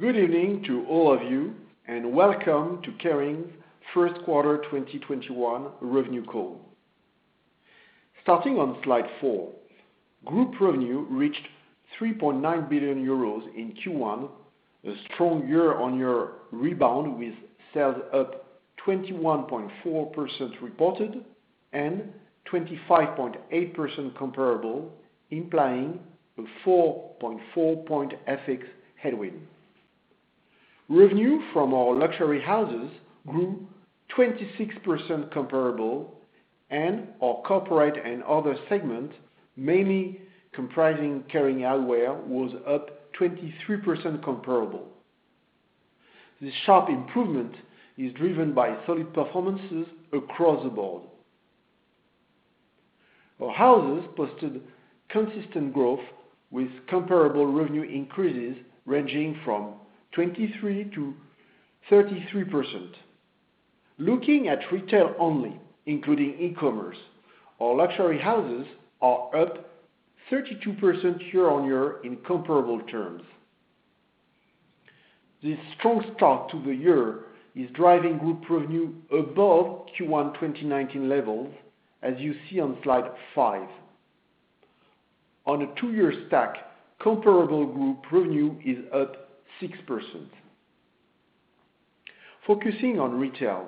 Good evening to all of you, and welcome to Kering's first quarter 2021 revenue call. Starting on slide four, group revenue reached 3.9 billion euros in Q1, a strong year-on-year rebound with sales up 21.4% reported and 25.8% comparable, implying a 4.4 point FX headwind. Revenue from our luxury houses grew 26% comparable, and our corporate and other segment, mainly comprising Kering Eyewear, was up 23% comparable. This sharp improvement is driven by solid performances across the board. Our houses posted consistent growth with comparable revenue increases ranging from 23% to 33%. Looking at retail only, including e-commerce, our luxury houses are up 32% year-on-year in comparable terms. This strong start to the year is driving group revenue above Q1 2019 levels, as you see on slide five. On a two-year stack, comparable group revenue is up 6%. Focusing on retail,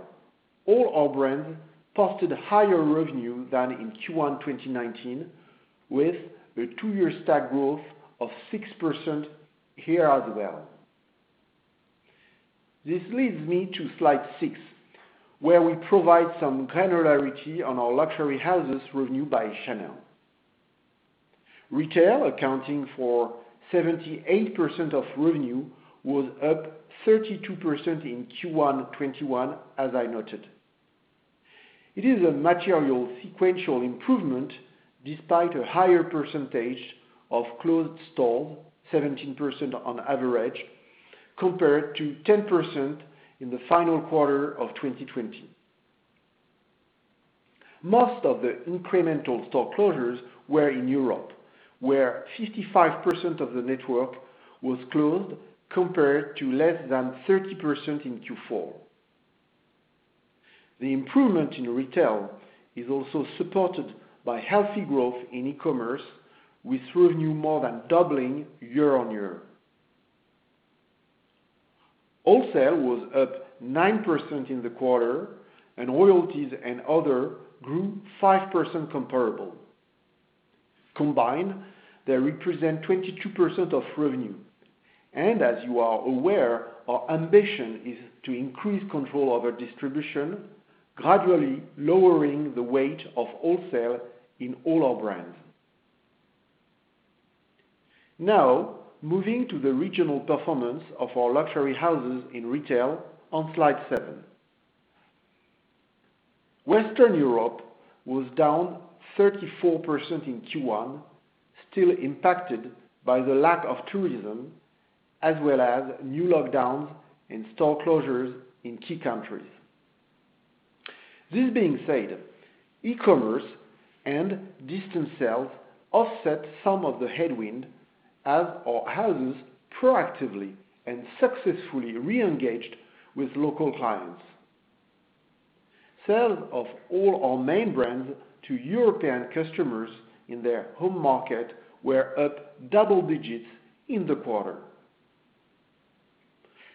all our brands posted higher revenue than in Q1 2019 with a two-year stack growth of 6% here as well. This leads me to slide six, where we provide some granularity on our luxury houses' revenue by channel. Retail, accounting for 78% of revenue, was up 32% in Q1 2021, as I noted. It is a material sequential improvement despite a higher percentage of closed stores, 17% on average, compared to 10% in the final quarter of 2020. Most of the incremental store closures were in Europe, where 55% of the network was closed, compared to less than 30% in Q4. The improvement in retail is also supported by healthy growth in e-commerce, with revenue more than doubling year-on-year. Wholesale was up 9% in the quarter, and royalties and other grew 5% comparable. Combined, they represent 22% of revenue. As you are aware, our ambition is to increase control over distribution, gradually lowering the weight of wholesale in all our brands. Moving to the regional performance of our luxury houses in retail on slide seven. Western Europe was down 34% in Q1, still impacted by the lack of tourism as well as new lockdowns and store closures in key countries. This being said, e-commerce and distance sales offset some of the headwind as our houses proactively and successfully re-engaged with local clients. Sales of all our main brands to European customers in their home market were up double digits in the quarter.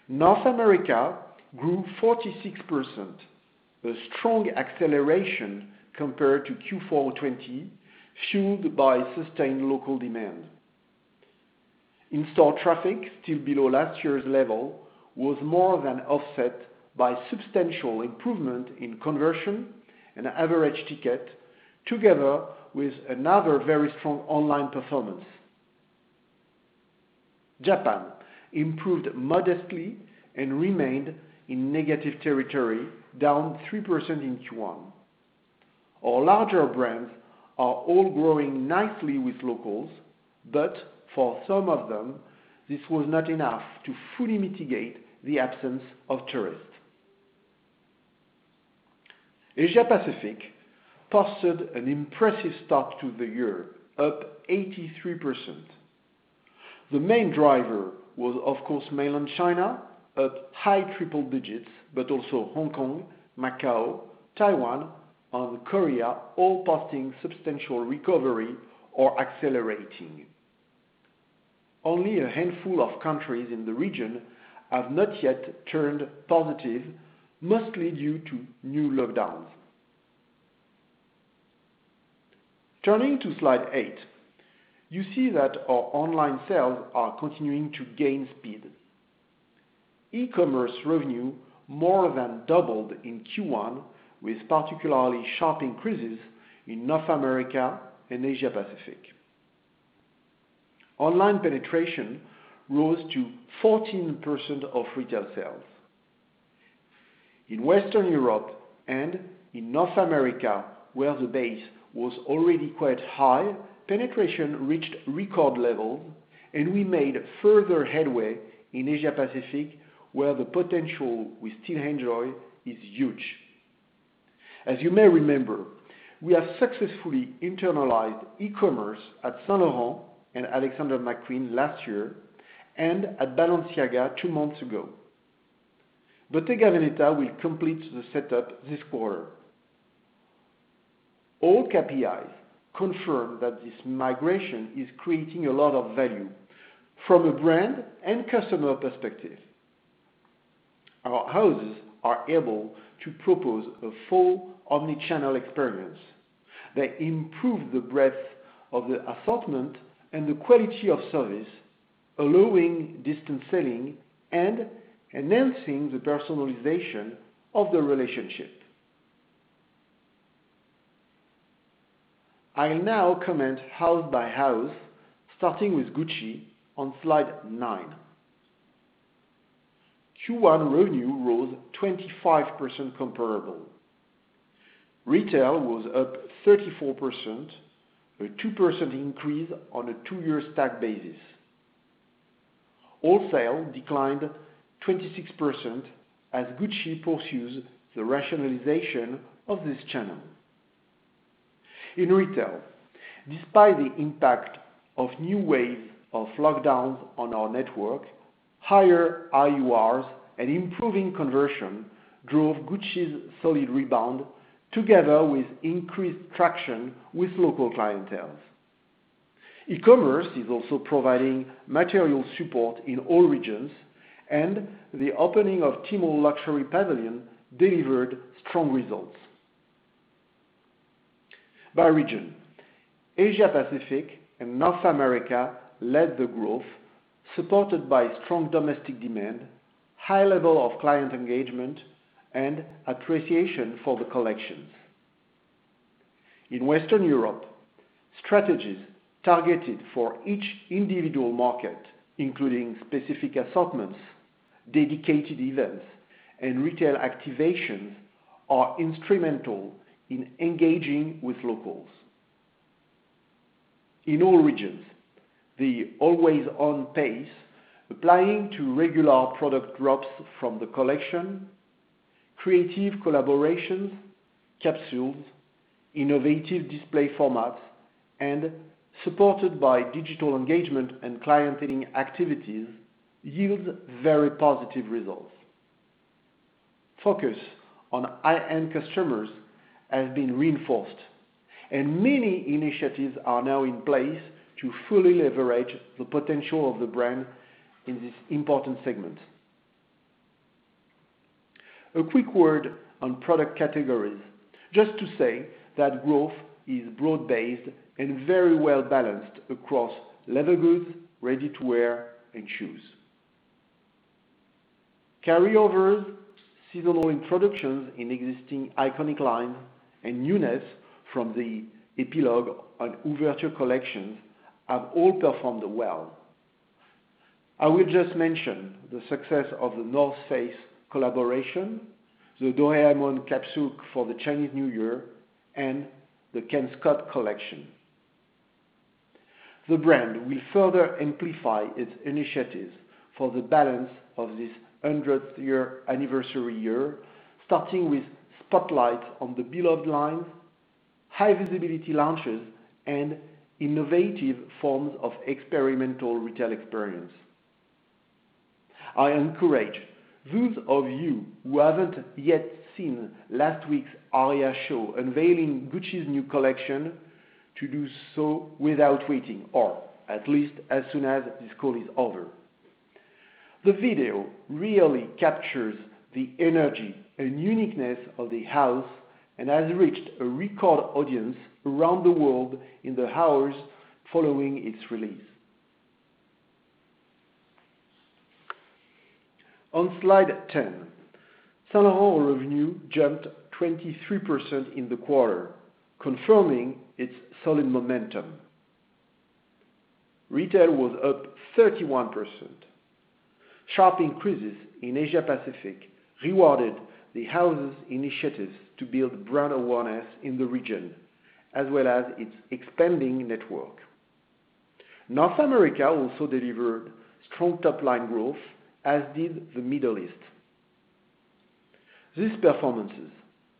North America grew 46%, a strong acceleration compared to Q4 2020, fueled by sustained local demand. In-store traffic, still below last year's level, was more than offset by substantial improvement in conversion and average ticket together with another very strong online performance. Japan improved modestly and remained in negative territory, down 3% in Q1. For some of them, this was not enough to fully mitigate the absence of tourists. Asia Pacific posted an impressive start to the year, up 83%. The main driver was, of course, mainland China, up high triple digits, also Hong Kong, Macau, Taiwan, and Korea all posting substantial recovery or accelerating. Only a handful of countries in the region have not yet turned positive, mostly due to new lockdowns. Turning to slide eight, you see that our online sales are continuing to gain speed. E-commerce revenue more than doubled in Q1, with particularly sharp increases in North America and Asia Pacific. Online penetration rose to 14% of retail sales. In Western Europe and in North America, where the base was already quite high, penetration reached record levels, and we made further headway in Asia Pacific, where the potential we still enjoy is huge. As you may remember, we have successfully internalized e-commerce at Saint Laurent and Alexander McQueen last year and at Balenciaga two months ago. Bottega Veneta will complete the setup this quarter. All KPIs confirm that this migration is creating a lot of value from a brand and customer perspective. Our houses are able to propose a full omni-channel experience. They improve the breadth of the assortment and the quality of service, allowing distance selling and enhancing the personalization of the relationship. I will now comment house by house, starting with Gucci on slide nine. Q1 revenue rose 25% comparable. Retail was up 34%, a 2% increase on a two-year stack basis. Wholesale declined 26% as Gucci pursues the rationalization of this channel. In retail, despite the impact of new waves of lockdowns on our network, higher UPTs and improving conversion drove Gucci's solid rebound together with increased traction with local clienteles. E-commerce is also providing material support in all regions, and the opening of Tmall Luxury Pavilion delivered strong results. By region, Asia Pacific and North America led the growth supported by strong domestic demand, high level of client engagement, and appreciation for the collections. In Western Europe, strategies targeted for each individual market, including specific assortments, dedicated events, and retail activations, are instrumental in engaging with locals. In all regions, the always-on pace, applying to regular product drops from the collection, creative collaborations, capsules, innovative display formats, and supported by digital engagement and clienteling activities, yields very positive results. Focus on high-end customers has been reinforced, and many initiatives are now in place to fully leverage the potential of the brand in this important segment. A quick word on product categories, just to say that growth is broad-based and very well-balanced across leather goods, ready-to-wear, and shoes. Carryovers, seasonal introductions in existing iconic lines, and newness from the Epilogue and Ouverture collections have all performed well. I will just mention the success of The North Face collaboration, the Doraemon capsule for the Chinese New Year, and the Ken Scott collection. The brand will further amplify its initiatives for the balance of this 100th-year anniversary year, starting with spotlights on the Beloved lines, high-visibility launches, and innovative forms of experimental retail experience. I encourage those of you who haven't yet seen last week's Aria show unveiling Gucci's new collection to do so without waiting, or at least as soon as this call is over. The video really captures the energy and uniqueness of the house and has reached a record audience around the world in the hours following its release. On slide 10, Saint Laurent revenue jumped 23% in the quarter, confirming its solid momentum. Retail was up 31%. Sharp increases in Asia Pacific rewarded the house's initiatives to build brand awareness in the region, as well as its expanding network. North America also delivered strong top-line growth, as did the Middle East. These performances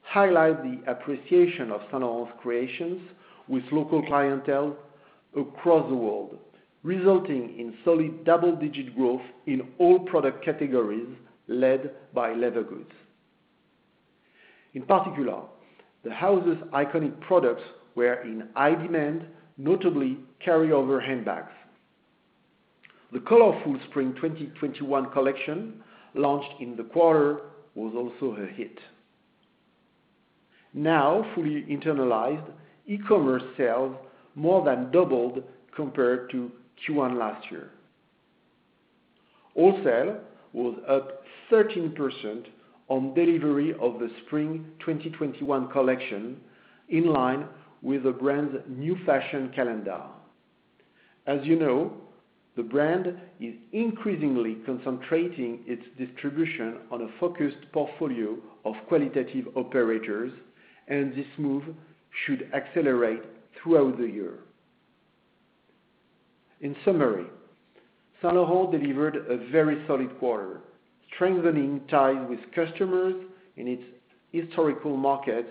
highlight the appreciation of Saint Laurent's creations with local clientele across the world, resulting in solid double-digit growth in all product categories led by leather goods. In particular, the house's iconic products were in high demand, notably carryover handbags. The colorful Spring 2021 collection, launched in the quarter, was also a hit. Now fully internalized, e-commerce sales more than doubled compared to Q1 last year. Wholesale was up 13% on delivery of the Spring 2021 collection, in line with the brand's new fashion calendar. As you know, the brand is increasingly concentrating its distribution on a focused portfolio of qualitative operators, and this move should accelerate throughout the year. In summary, Saint Laurent delivered a very solid quarter, strengthening ties with customers in its historical markets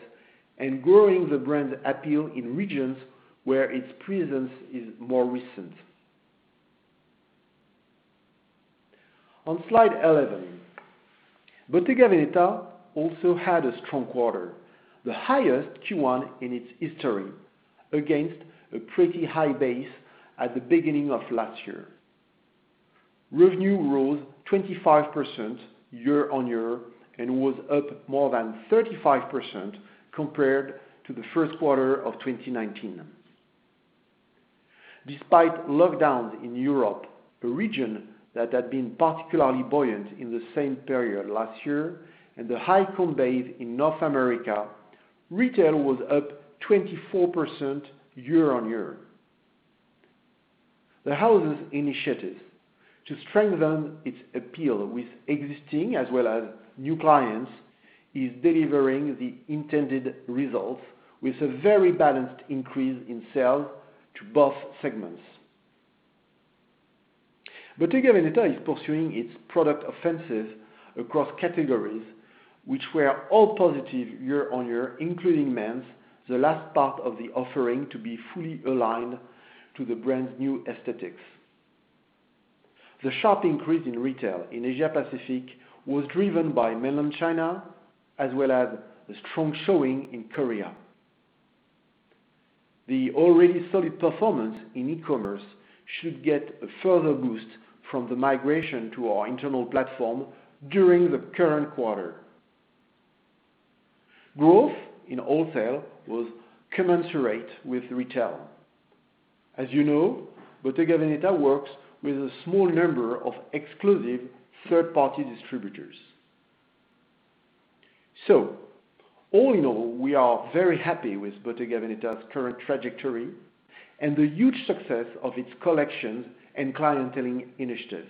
and growing the brand's appeal in regions where its presence is more recent. On slide 11, Bottega Veneta also had a strong quarter, the highest Q1 in its history against a pretty high base at the beginning of last year. Revenue rose 25% year on year and was up more than 35% compared to the first quarter of 2019. Despite lockdowns in Europe, a region that had been particularly buoyant in the same period last year, and the high base in North America, retail was up 24% year on year. The house's initiative to strengthen its appeal with existing as well as new clients is delivering the intended results with a very balanced increase in sales to both segments. Bottega Veneta is pursuing its product offenses across categories, which were all positive year on year, including men's, the last part of the offering to be fully aligned to the brand's new aesthetics. The sharp increase in retail in Asia Pacific was driven by mainland China, as well as a strong showing in Korea. The already solid performance in e-commerce should get a further boost from the migration to our internal platform during the current quarter. Growth in wholesale was commensurate with retail. As you know, Bottega Veneta works with a small number of exclusive third-party distributors. All in all, we are very happy with Bottega Veneta's current trajectory and the huge success of its collections and clienteling initiatives.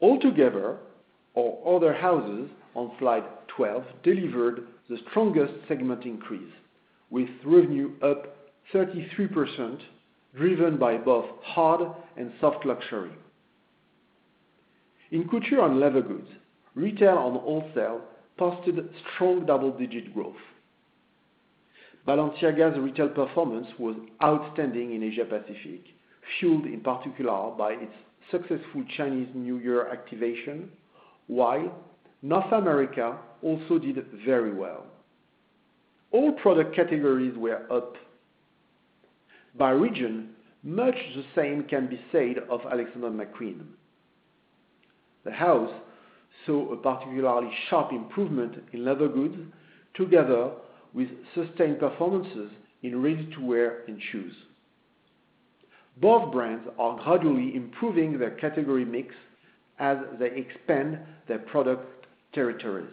Altogether, our other houses on Slide 12 delivered the strongest segment increase, with revenue up 33%, driven by both hard and soft luxury. In couture and leather goods, retail and wholesale posted strong double-digit growth. Balenciaga's retail performance was outstanding in Asia Pacific, fueled in particular by its successful Chinese New Year activation, while North America also did very well. All product categories were up. By region, much the same can be said of Alexander McQueen. The house saw a particularly sharp improvement in leather goods, together with sustained performances in ready-to-wear and shoes. Both brands are gradually improving their category mix as they expand their product territories.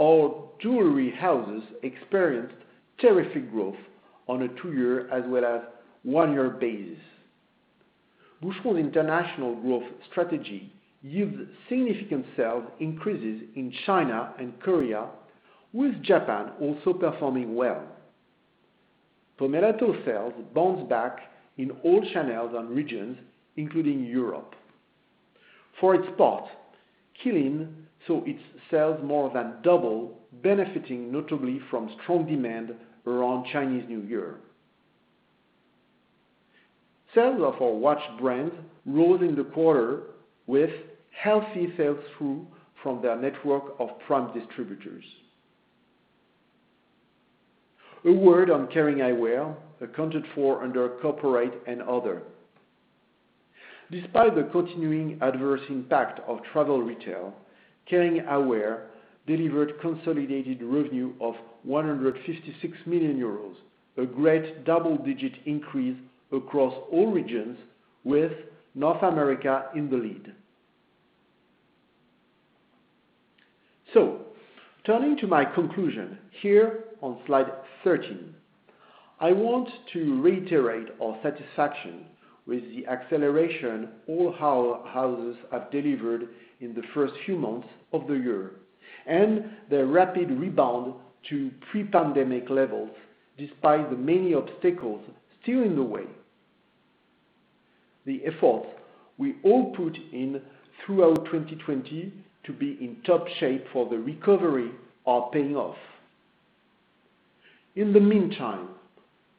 Our jewelry houses experienced terrific growth on a two-year as well as one-year basis. Boucheron International growth strategy yields significant sales increases in China and Korea, with Japan also performing well. Pomellato sales bounce back in all channels and regions, including Europe. For its part, Qeelin saw its sales more than double, benefiting notably from strong demand around Chinese New Year. Sales of our watch brand rose in the quarter with healthy sales through from their network of prime distributors. A word on Kering Eyewear accounted for under corporate and other. Despite the continuing adverse impact of travel retail, Kering Eyewear delivered consolidated revenue of 156 million euros, a great double-digit increase across all regions, with North America in the lead. Turning to my conclusion here on slide 13, I want to reiterate our satisfaction with the acceleration all our houses have delivered in the first few months of the year and their rapid rebound to pre-pandemic levels, despite the many obstacles still in the way. The efforts we all put in throughout 2020 to be in top shape for the recovery are paying off. In the meantime,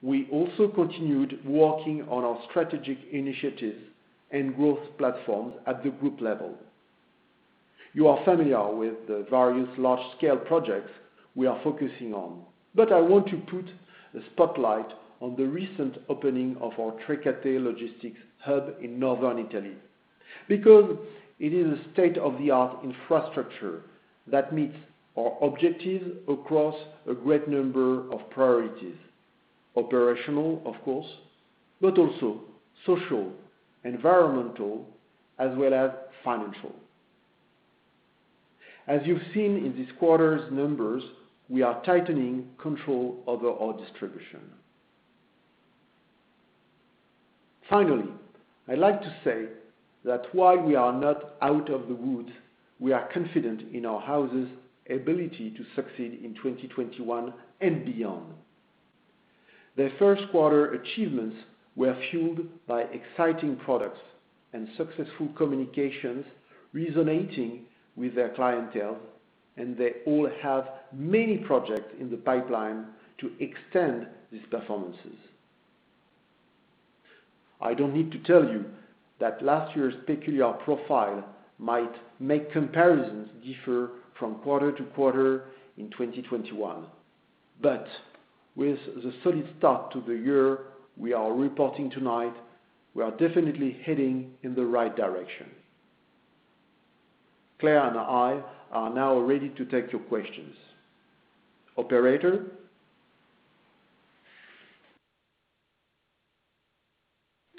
we also continued working on our strategic initiatives and growth platforms at the group level. You are familiar with the various large-scale projects we are focusing on, but I want to put a spotlight on the recent opening of our Trecate logistics hub in northern Italy because it is a state-of-the-art infrastructure that meets our objectives across a great number of priorities. Operational, of course, but also social, environmental, as well as financial. As you've seen in this quarter's numbers, we are tightening control over our distribution. Finally, I'd like to say that while we are not out of the woods, we are confident in our houses' ability to succeed in 2021 and beyond. Their first quarter achievements were fueled by exciting products and successful communications resonating with their clientele, and they all have many projects in the pipeline to extend these performances. I don't need to tell you that last year's peculiar profile might make comparisons differ from quarter to quarter in 2021. With the solid start to the year we are reporting tonight, we are definitely heading in the right direction. Claire and I are now ready to take your questions. Operator?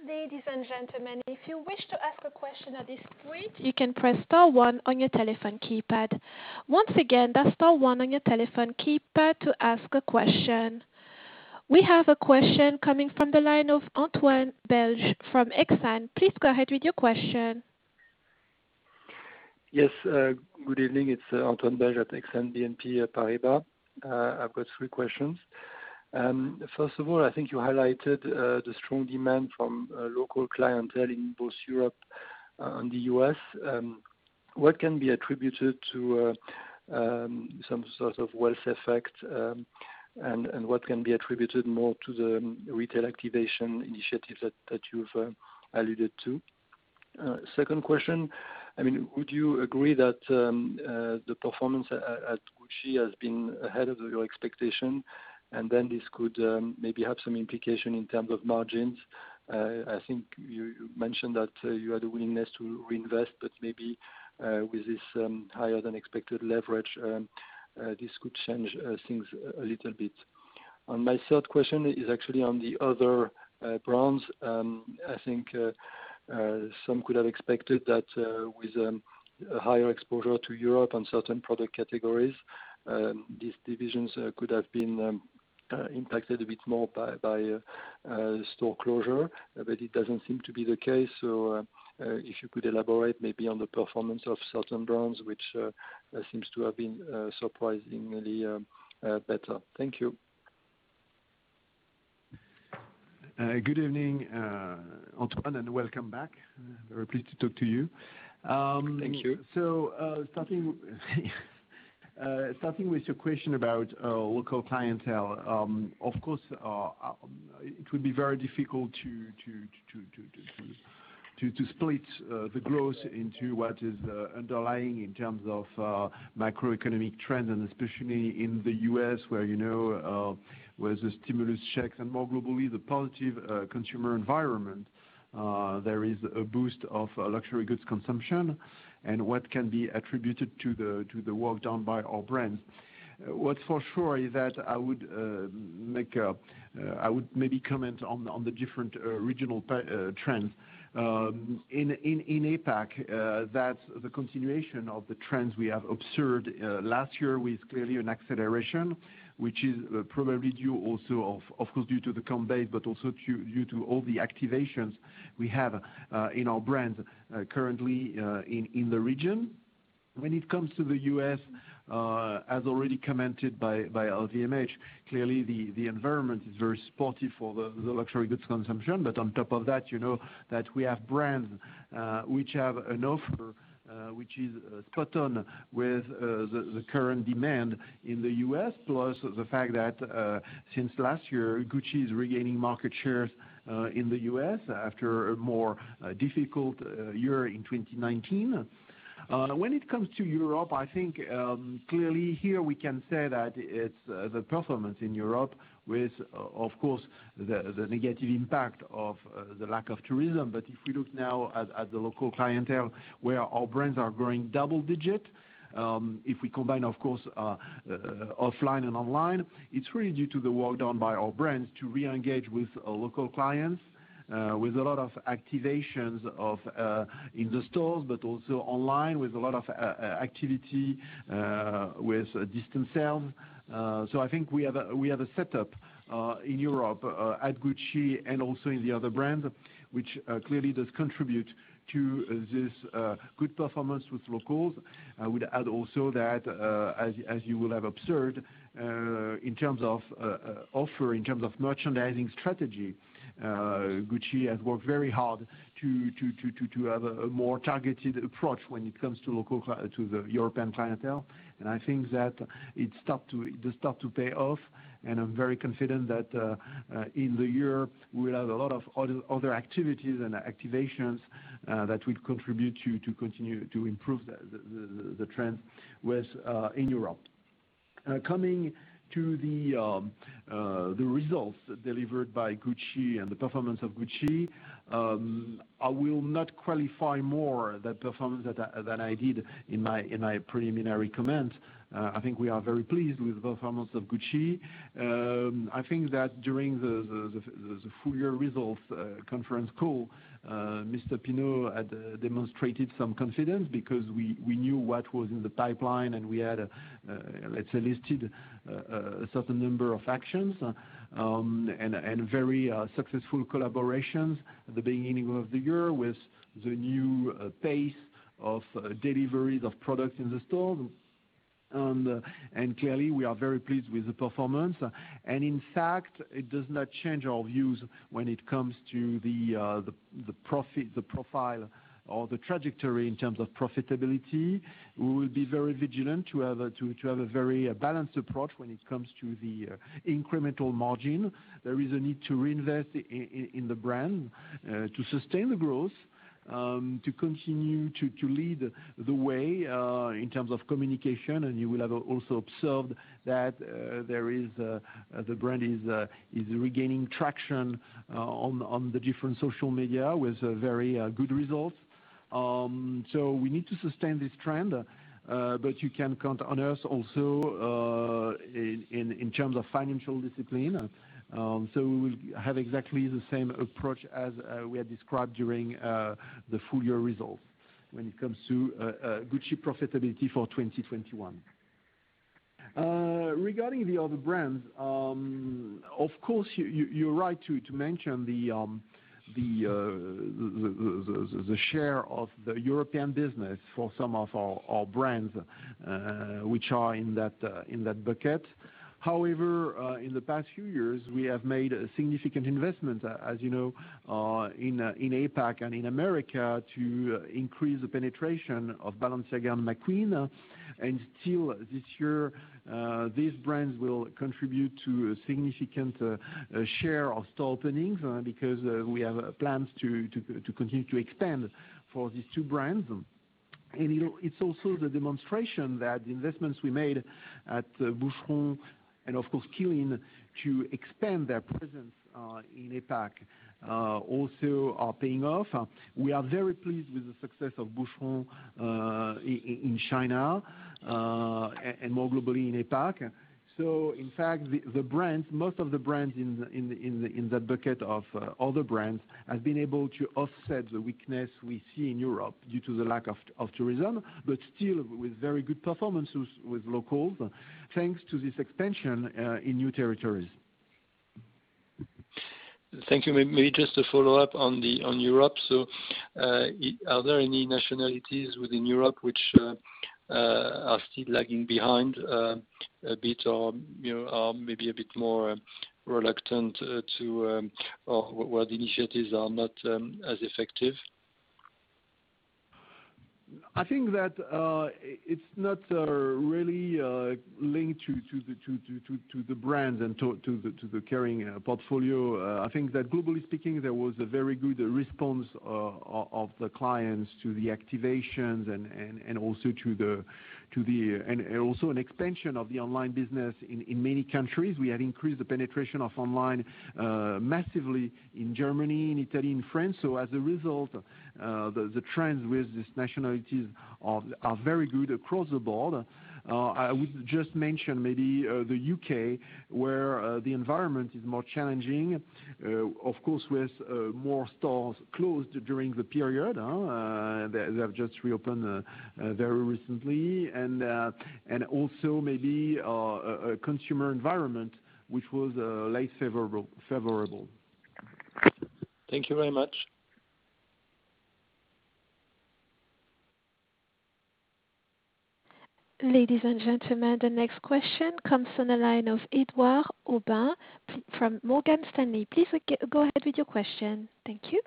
Ladies and gentlemen, if you wish to ask a question at this point, you can press star one on your telephone keypad. Once again, that's star one on your telephone keypad to ask a question. We have a question coming from the line of Antoine Belge from Exane. Please go ahead with your question. Yes, good evening. It is Antoine Belge at Exane BNP Paribas. I have got three questions. First of all, I think you highlighted the strong demand from local clientele in both Europe and the U.S. What can be attributed to some sort of wealth effect, and what can be attributed more to the retail activation initiatives that you have alluded to? Second question, would you agree that the performance at Gucci has been ahead of your expectation, and then this could maybe have some implication in terms of margins? I think you mentioned that you had the willingness to reinvest, but maybe, with this higher-than-expected leverage, this could change things a little bit. My third question is actually on the other brands. I think some could have expected that with a higher exposure to Europe on certain product categories, these divisions could have been impacted a bit more by store closure, but it doesn't seem to be the case. If you could elaborate maybe on the performance of certain brands, which seems to have been surprisingly better. Thank you. Good evening, Antoine, and welcome back. Very pleased to talk to you. Thank you. Starting with your question about local clientele. Of course, it would be very difficult to split the growth into what is underlying in terms of macroeconomic trends, and especially in the U.S., where there's the stimulus checks and more globally, the positive consumer environment. There is a boost of luxury goods consumption and what can be attributed to the work done by our brands. What's for sure is that I would maybe comment on the different regional trends. In APAC, that's the continuation of the trends we have observed last year with clearly an acceleration, which is probably due also, of course, due to the comp base but also due to all the activations we have in our brands currently in the region. When it comes to the U.S., as already commented by LVMH, clearly the environment is very sporty for the luxury goods consumption. On top of that you know that we have brands which have an offer which is spot on with the current demand in the U.S., plus the fact that since last year, Gucci is regaining market shares in the U.S. after a more difficult year in 2019. When it comes to Europe, I think clearly here we can say that it's the performance in Europe with, of course, the negative impact of the lack of tourism. If we look now at the local clientele where our brands are growing double-digit, if we combine, of course, offline and online, it's really due to the work done by our brands to re-engage with local clients, with a lot of activations in the stores, but also online with a lot of activity with distant sales. I think we have a setup in Europe at Gucci and also in the other brands, which clearly does contribute to this good performance with locals. I would add also that, as you will have observed, in terms of offer, in terms of merchandising strategy, Gucci has worked very hard to have a more targeted approach when it comes to the European clientele. I think that it does start to pay off, and I'm very confident that in the year, we'll have a lot of other activities and activations that will contribute to continue to improve the trend in Europe. Coming to the results delivered by Gucci and the performance of Gucci, I will not qualify more the performance than I did in my preliminary comment. I think we are very pleased with the performance of Gucci. I think that during the full-year results conference call, Mr. Pinault had demonstrated some confidence because we knew what was in the pipeline, and we had let's say, listed a certain number of actions, and very successful collaborations at the beginning of the year with the new pace of deliveries of products in the stores. Clearly, we are very pleased with the performance. In fact, it does not change our views when it comes to the profile or the trajectory in terms of profitability. We will be very vigilant to have a very balanced approach when it comes to the incremental margin. There is a need to reinvest in the brand to sustain the growth, to continue to lead the way in terms of communication. You will have also observed that the brand is regaining traction on the different social media with very good results. We need to sustain this trend, but you can count on us also in terms of financial discipline. We will have exactly the same approach as we had described during the full-year results when it comes to Gucci profitability for 2021. Regarding the other brands, of course, you're right to mention the share of the European business for some of our brands which are in that bucket. However, in the past few years, we have made a significant investment, as you know, in APAC and in America to increase the penetration of Balenciaga and McQueen. Still this year, these brands will contribute to a significant share of store openings because we have plans to continue to expand for these two brands. It's also the demonstration that the investments we made at Boucheron and of course, Qeelin, to expand their presence in APAC also are paying off. We are very pleased with the success of Boucheron in China, and more globally in APAC. In fact, most of the brands in that bucket of other brands, have been able to offset the weakness we see in Europe due to the lack of tourism, but still with very good performances with locals, thanks to this expansion in new territories. Thank you. Maybe just to follow up on Europe. Are there any nationalities within Europe which are still lagging behind a bit or are maybe a bit more reluctant to or where the initiatives are not as effective? I think that it's not really linked to the brands and to the Kering portfolio. I think that globally speaking, there was a very good response of the clients to the activations and also an expansion of the online business in many countries. We had increased the penetration of online massively in Germany, in Italy, and France. As a result, the trends with these nationalities are very good across the board. I would just mention maybe the U.K., where the environment is more challenging, of course, with more stores closed during the period. They have just reopened very recently. Also maybe a consumer environment which was less favorable. Thank you very much. Ladies and gentlemen, the next question comes on the line of Edouard Aubin from Morgan Stanley. Please go ahead with your question. Thank you.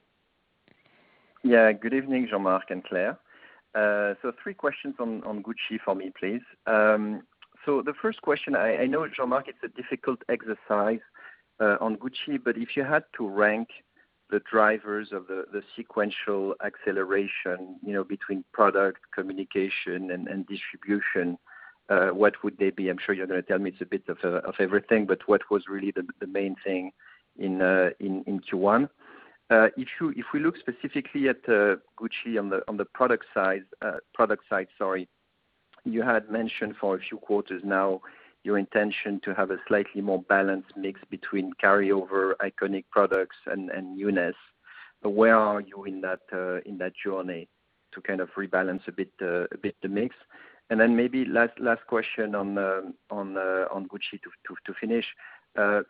Good evening, Jean-Marc and Claire. Three questions on Gucci for me please. The first question, I know Jean-Marc it's a difficult exercise on Gucci, if you had to rank the drivers of the sequential acceleration, between product, communication, and distribution, what would they be? I'm sure you're going to tell me it's a bit of everything, what was really the main thing in Q1? If we look specifically at Gucci on the product side, you had mentioned for a few quarters now your intention to have a slightly more balanced mix between carryover iconic products and newness. Where are you in that journey to kind of rebalance a bit the mix? Maybe last question on Gucci to finish.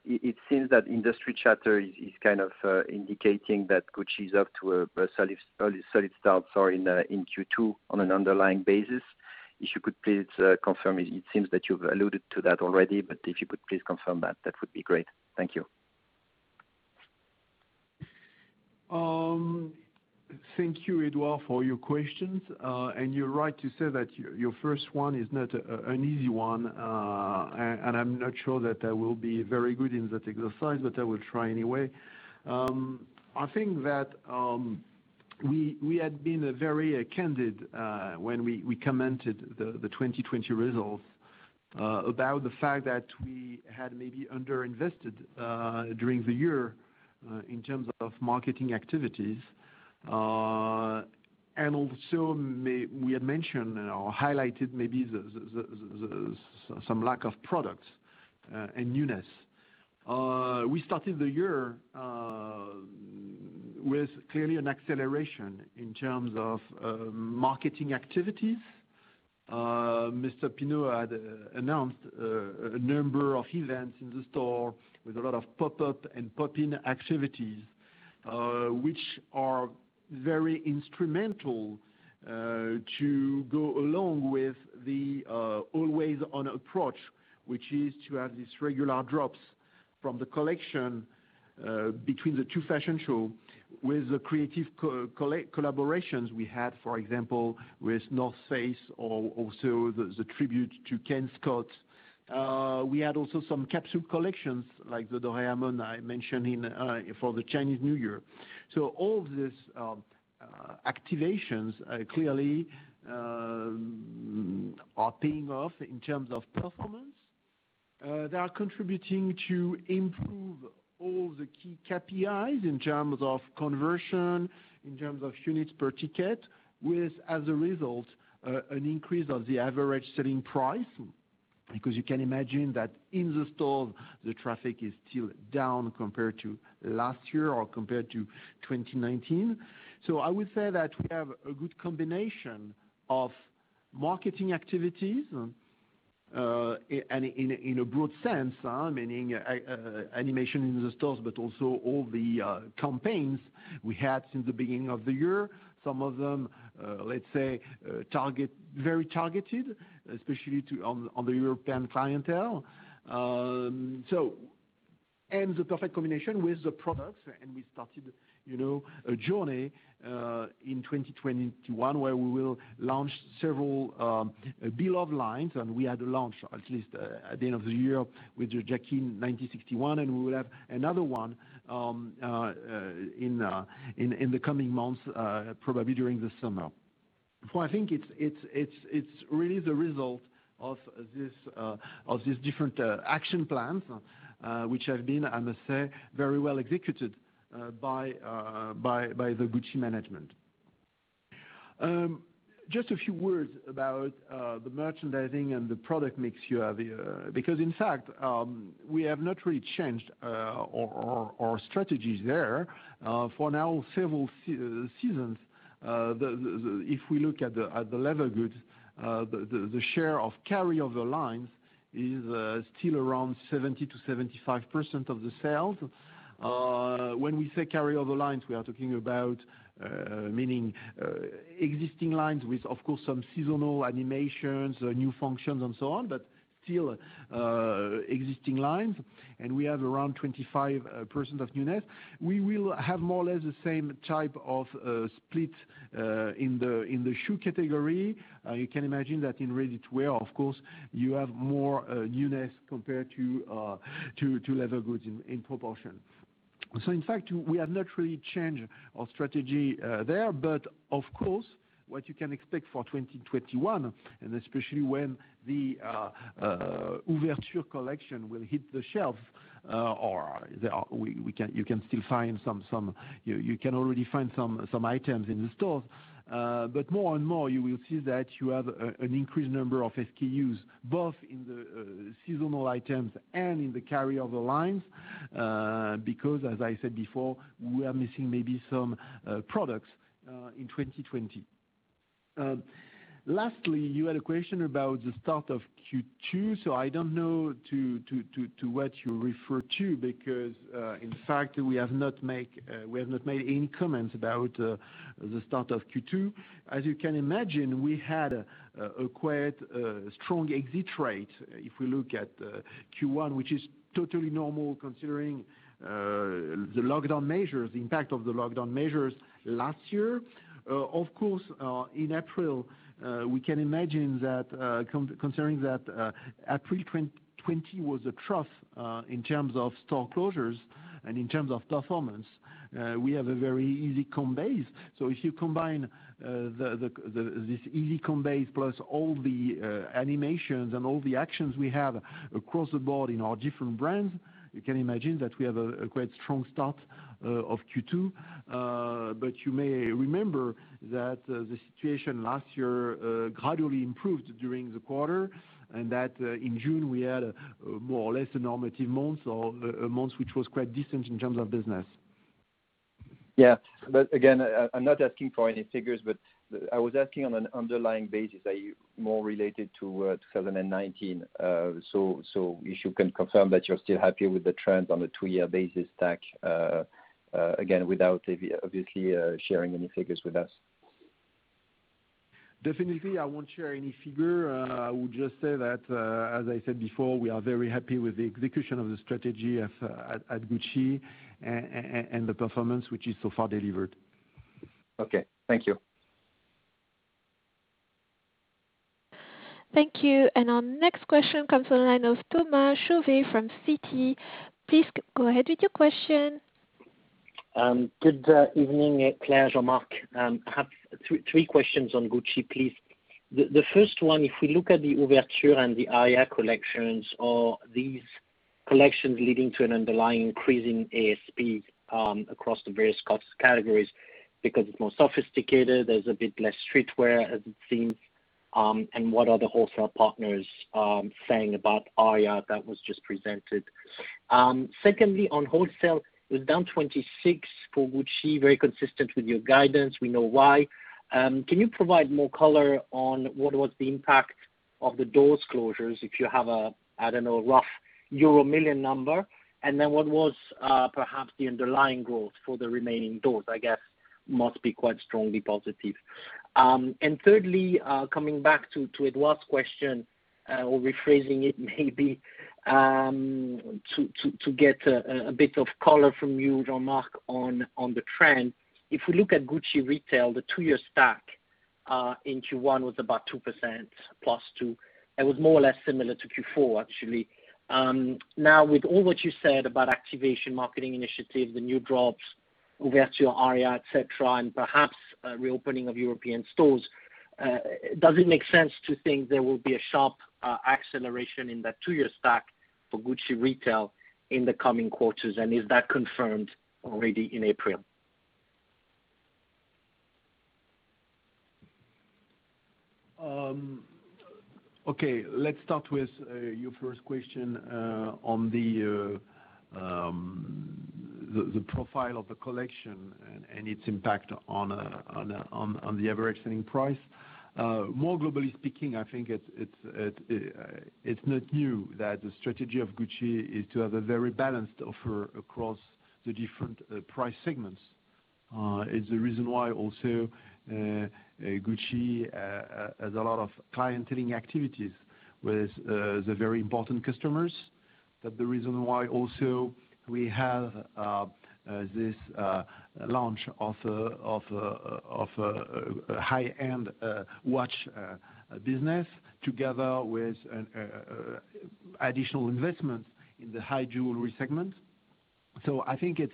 It seems that industry chatter is kind of indicating that Gucci is off to a very solid start, sorry, in Q2 on an underlying basis. If you could please confirm, it seems that you've alluded to that already, but if you could please confirm that would be great. Thank you. Thank you, Edouard, for your questions. You're right to say that your first one is not an easy one. I'm not sure that I will be very good in that exercise, but I will try anyway. I think that we had been very candid when we commented the 2020 results about the fact that we had maybe under-invested during the year in terms of marketing activities. Also, we had mentioned or highlighted maybe some lack of products and newness. We started the year with clearly an acceleration in terms of marketing activities. Mr. Pinault had announced a number of events in the store with a lot of pop-up and pop-in activities, which are very instrumental to go along with the Always On approach, which is to have these regular drops from the collection between the two fashion shows with the creative collaborations we had, for example, with The North Face or also the tribute to Ken Scott. We had also some capsule collections like the Doraemon I mentioned for the Chinese New Year. All these activations clearly are paying off in terms of performance. They are contributing to improve all the key KPIs in terms of conversion, in terms of units per ticket, with as a result an increase of the average selling price. You can imagine that in the stores, the traffic is still down compared to last year or compared to 2019. I would say that we have a good combination of marketing activities, and in a broad sense, meaning animation in the stores, but also all the campaigns we had since the beginning of the year. Some of them, let's say, very targeted, especially on the European clientele. The perfect combination with the products, and we started a journey, in 2021, where we will launch several Beloved lines, and we had a launch, at least at the end of the year, with the Jackie 1961, and we will have another one in the coming months, probably during the summer. I think it's really the result of these different action plans, which have been, I must say, very well executed by the Gucci management. Just a few words about the merchandising and the product mix you have here, because in fact, we have not really changed our strategies there. For now, several seasons, if we look at the leather goods, the share of carryover lines is still around 70%-75% of the sales. When we say carryover lines, we are talking about existing lines with, of course, some seasonal animations, new functions and so on, but still existing lines. We have around 25% of newness. We will have more or less the same type of split in the shoe category. You can imagine that in ready-to-wear, of course, you have more newness compared to leather goods in proportion. In fact, we have not really changed our strategy there, but of course, what you can expect for 2021, especially when the Ouverture collection will hit the shelf, you can already find some items in the stores. More and more, you will see that you have an increased number of SKUs, both in the seasonal items and in the carryover lines, because as I said before, we are missing maybe some products in 2020. Lastly, you had a question about the start of Q2. I don't know to what you refer to because, in fact, we have not made any comments about the start of Q2. As you can imagine, we had a quite strong exit rate if we look at Q1, which is totally normal considering the lockdown measures, the impact of the lockdown measures last year. Of course, in April, we can imagine that considering that April 2020 was a trough in terms of store closures and in terms of performance, we have a very easy compare base. If you combine this easy compare base plus all the animations and all the actions we have across the board in our different brands, you can imagine that we have a quite strong start of Q2. You may remember that the situation last year gradually improved during the quarter, and that in June, we had a more or less a normative month or a month, which was quite decent in terms of business. Yeah. Again, I'm not asking for any figures, but I was asking on an underlying basis, more related to 2019. If you can confirm that you're still happy with the trends on the two-year basis stack, again, without obviously sharing any figures with us. Definitely, I won't share any figure. I would just say that, as I said before, we are very happy with the execution of the strategy at Gucci and the performance which is so far delivered. Okay. Thank you. Thank you. Our next question comes on the line of Thomas Chauvet from Citi. Please go ahead with your question. Good evening, Claire, Jean-Marc. I have three questions on Gucci, please. The first one, if we look at the Ouverture and the Aria collections, are these collections leading to an underlying increase in ASP across the various cost categories because it's more sophisticated, there's a bit less streetwear as it seems, and what are the wholesale partners saying about Aria that was just presented? Secondly, on wholesale, it was down 26 for Gucci, very consistent with your guidance. We know why. Can you provide more color on what was the impact of the doors closures, if you have a, I don't know, rough euro million number, and then what was perhaps the underlying growth for the remaining doors, I guess must be quite strongly positive. Thirdly, coming back to Edouard's question or rephrasing it maybe, to get a bit of color from you, Jean-Marc, on the trend. If we look at Gucci retail, the two-year stack, in Q1 was about 2% plus two. It was more or less similar to Q4 actually. Now with all what you said about activation marketing initiatives, the new drops, Ouverture, Aria, et cetera, and perhaps a reopening of European stores, does it make sense to think there will be a sharp acceleration in that two-year stack for Gucci retail in the coming quarters? Is that confirmed already in April? Let's start with your first question on the profile of the collection and its impact on the average selling price. More globally speaking, I think it's not new that the strategy of Gucci is to have a very balanced offer across the different price segments. It's the reason why also, Gucci has a lot of clienteling activities with the very important customers. That's the reason why also we have this launch of a high-end watch business together with additional investments in the high jewelry segment. I think it's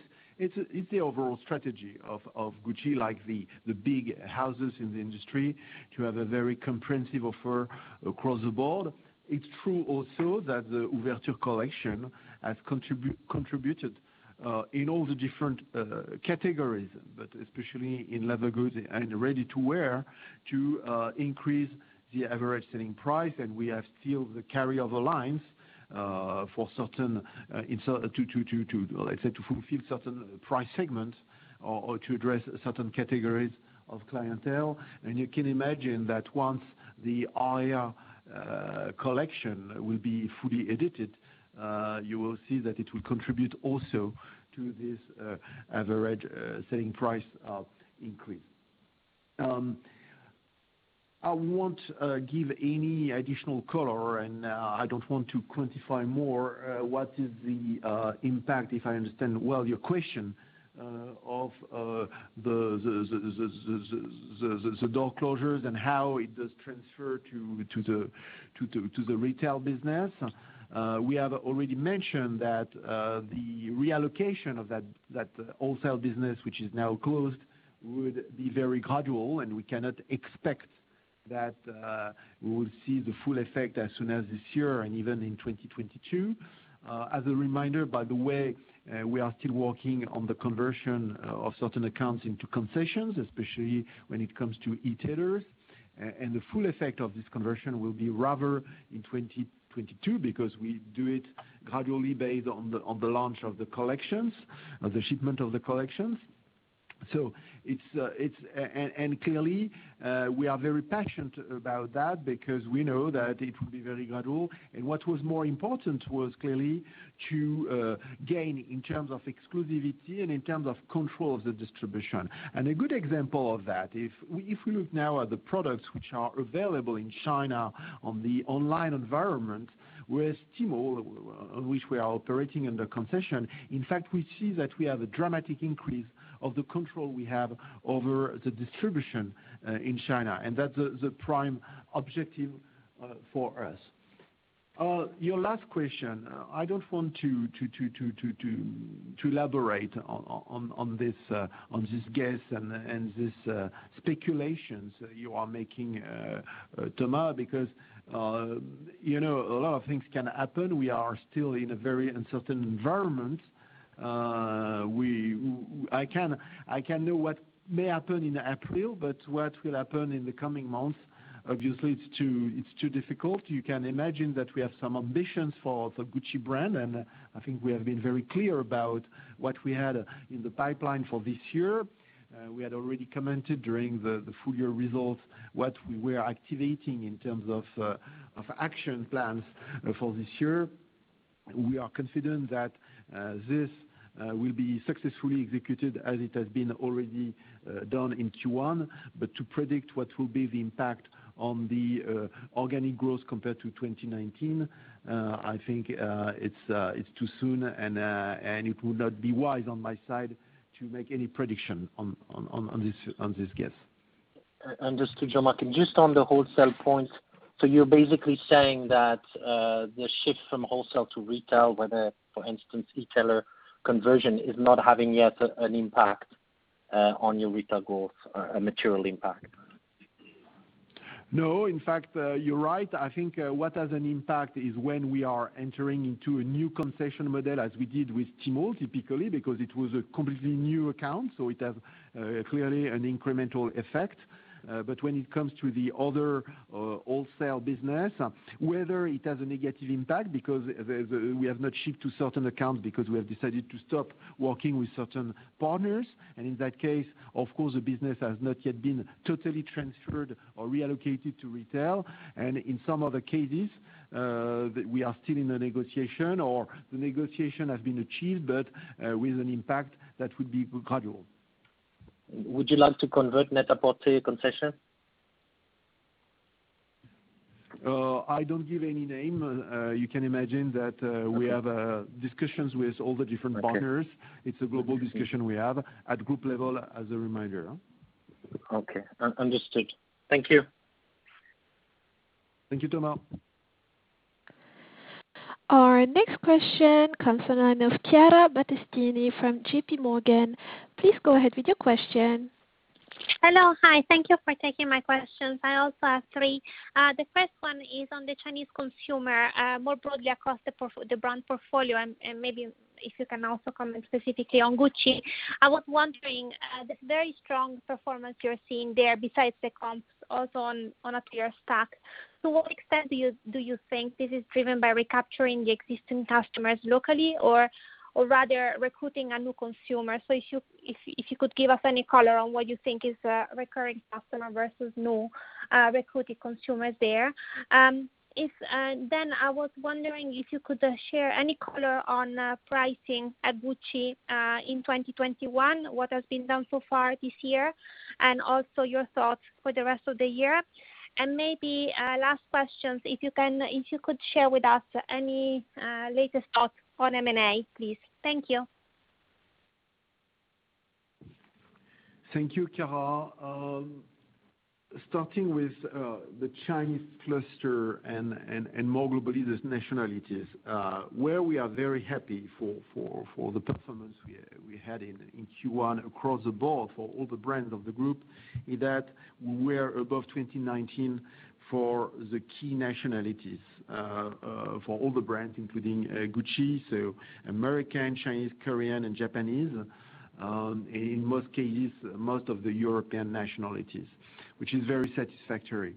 the overall strategy of Gucci, like the big houses in the industry to have a very comprehensive offer across the board. It's true also that the Ouverture collection has contributed, in all the different categories, but especially in leather goods and ready-to-wear to increase the average selling price. We have still the carryover lines, to fulfill certain price segments or to address certain categories of clientele. You can imagine that once the Aria Collection will be fully edited, you will see that it will contribute also to this average selling price increase. I won't give any additional color, and I don't want to quantify more, what is the impact, if I understand well your question, of the door closures and how it does transfer to the retail business. We have already mentioned that the reallocation of that wholesale business, which is now closed, would be very gradual, and we cannot expect that we will see the full effect as soon as this year and even in 2022. As a reminder, by the way, we are still working on the conversion of certain accounts into concessions, especially when it comes to etailers. The full effect of this conversion will be rather in 2022, because we do it gradually based on the launch of the collections, of the shipment of the collections. Clearly, we are very patient about that because we know that it will be very gradual. What was more important was clearly to gain in terms of exclusivity and in terms of control of the distribution. A good example of that, if we look now at the products which are available in China on the online environment with Tmall, which we are operating under concession, in fact, we see that we have a dramatic increase of the control we have over the distribution in China, and that's the prime objective for us. Your last question, I don't want to elaborate on this guess and these speculations you are making, Thomas, because a lot of things can happen. We are still in a very uncertain environment. I can know what may happen in April, but what will happen in the coming months, obviously, it's too difficult. You can imagine that we have some ambitions for the Gucci brand, and I think we have been very clear about what we had in the pipeline for this year. We had already commented during the full-year results, what we were activating in terms of action plans for this year. We are confident that this will be successfully executed as it has been already done in Q1. To predict what will be the impact on the organic growth compared to 2019, I think, it's too soon, and it would not be wise on my side to make any prediction on this guess. Understood, Jean-Marc. Just on the wholesale point, you're basically saying that the shift from wholesale to retail, whether for instance, etailer conversion is not having yet an impact on your retail growth, a material impact? No, in fact, you're right. I think what has an impact is when we are entering into a new concession model, as we did with Tmall, typically because it was a completely new account, so it has clearly an incremental effect. When it comes to the other wholesale business, whether it has a negative impact because we have not shipped to certain accounts, because we have decided to stop working with certain partners. In that case, of course, the business has not yet been totally transferred or reallocated to retail. In some other cases, we are still in a negotiation, or the negotiation has been achieved, but with an impact that would be gradual. Would you like to convert Net-a-Porter concession? I don't give any name. You can imagine that we have discussions with all the different partners. Okay. It's a global discussion we have at group level as a reminder. Okay, understood. Thank you. Thank you, Thomas. Our next question comes from the line of Chiara Battistini from JPMorgan. Please go ahead with your question. Hello. Hi. Thank you for taking my questions. I also have three. The first one is on the Chinese consumer, more broadly across the brand portfolio, and maybe if you can also comment specifically on Gucci. I was wondering, the very strong performance you're seeing there besides the comps also on a two-year stack. To what extent do you think this is driven by recapturing the existing customers locally or rather recruiting a new consumer? If you could give us any color on what you think is a recurring customer versus new recruited consumers there. I was wondering if you could share any color on pricing at Gucci in 2021, what has been done so far this year, and also your thoughts for the rest of the year. Maybe last questions, if you could share with us any latest thoughts on M&A, please. Thank you. Thank you, Chiara. Starting with the Chinese cluster and more globally, the nationalities where we are very happy for the performance we had in Q1 across the board for all the brands of the group, is that we were above 2019 for the key nationalities, for all the brands, including Gucci, so American, Chinese, Korean, and Japanese. In most cases, most of the European nationalities, which is very satisfactory.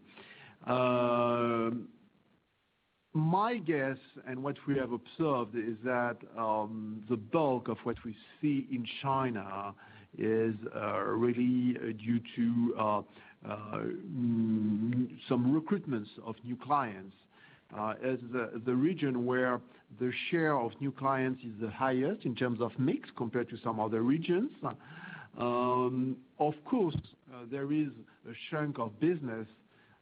My guess and what we have observed is that the bulk of what we see in China is really due to some recruitments of new clients, as the region where the share of new clients is the highest in terms of mix compared to some other regions. Of course, there is a chunk of business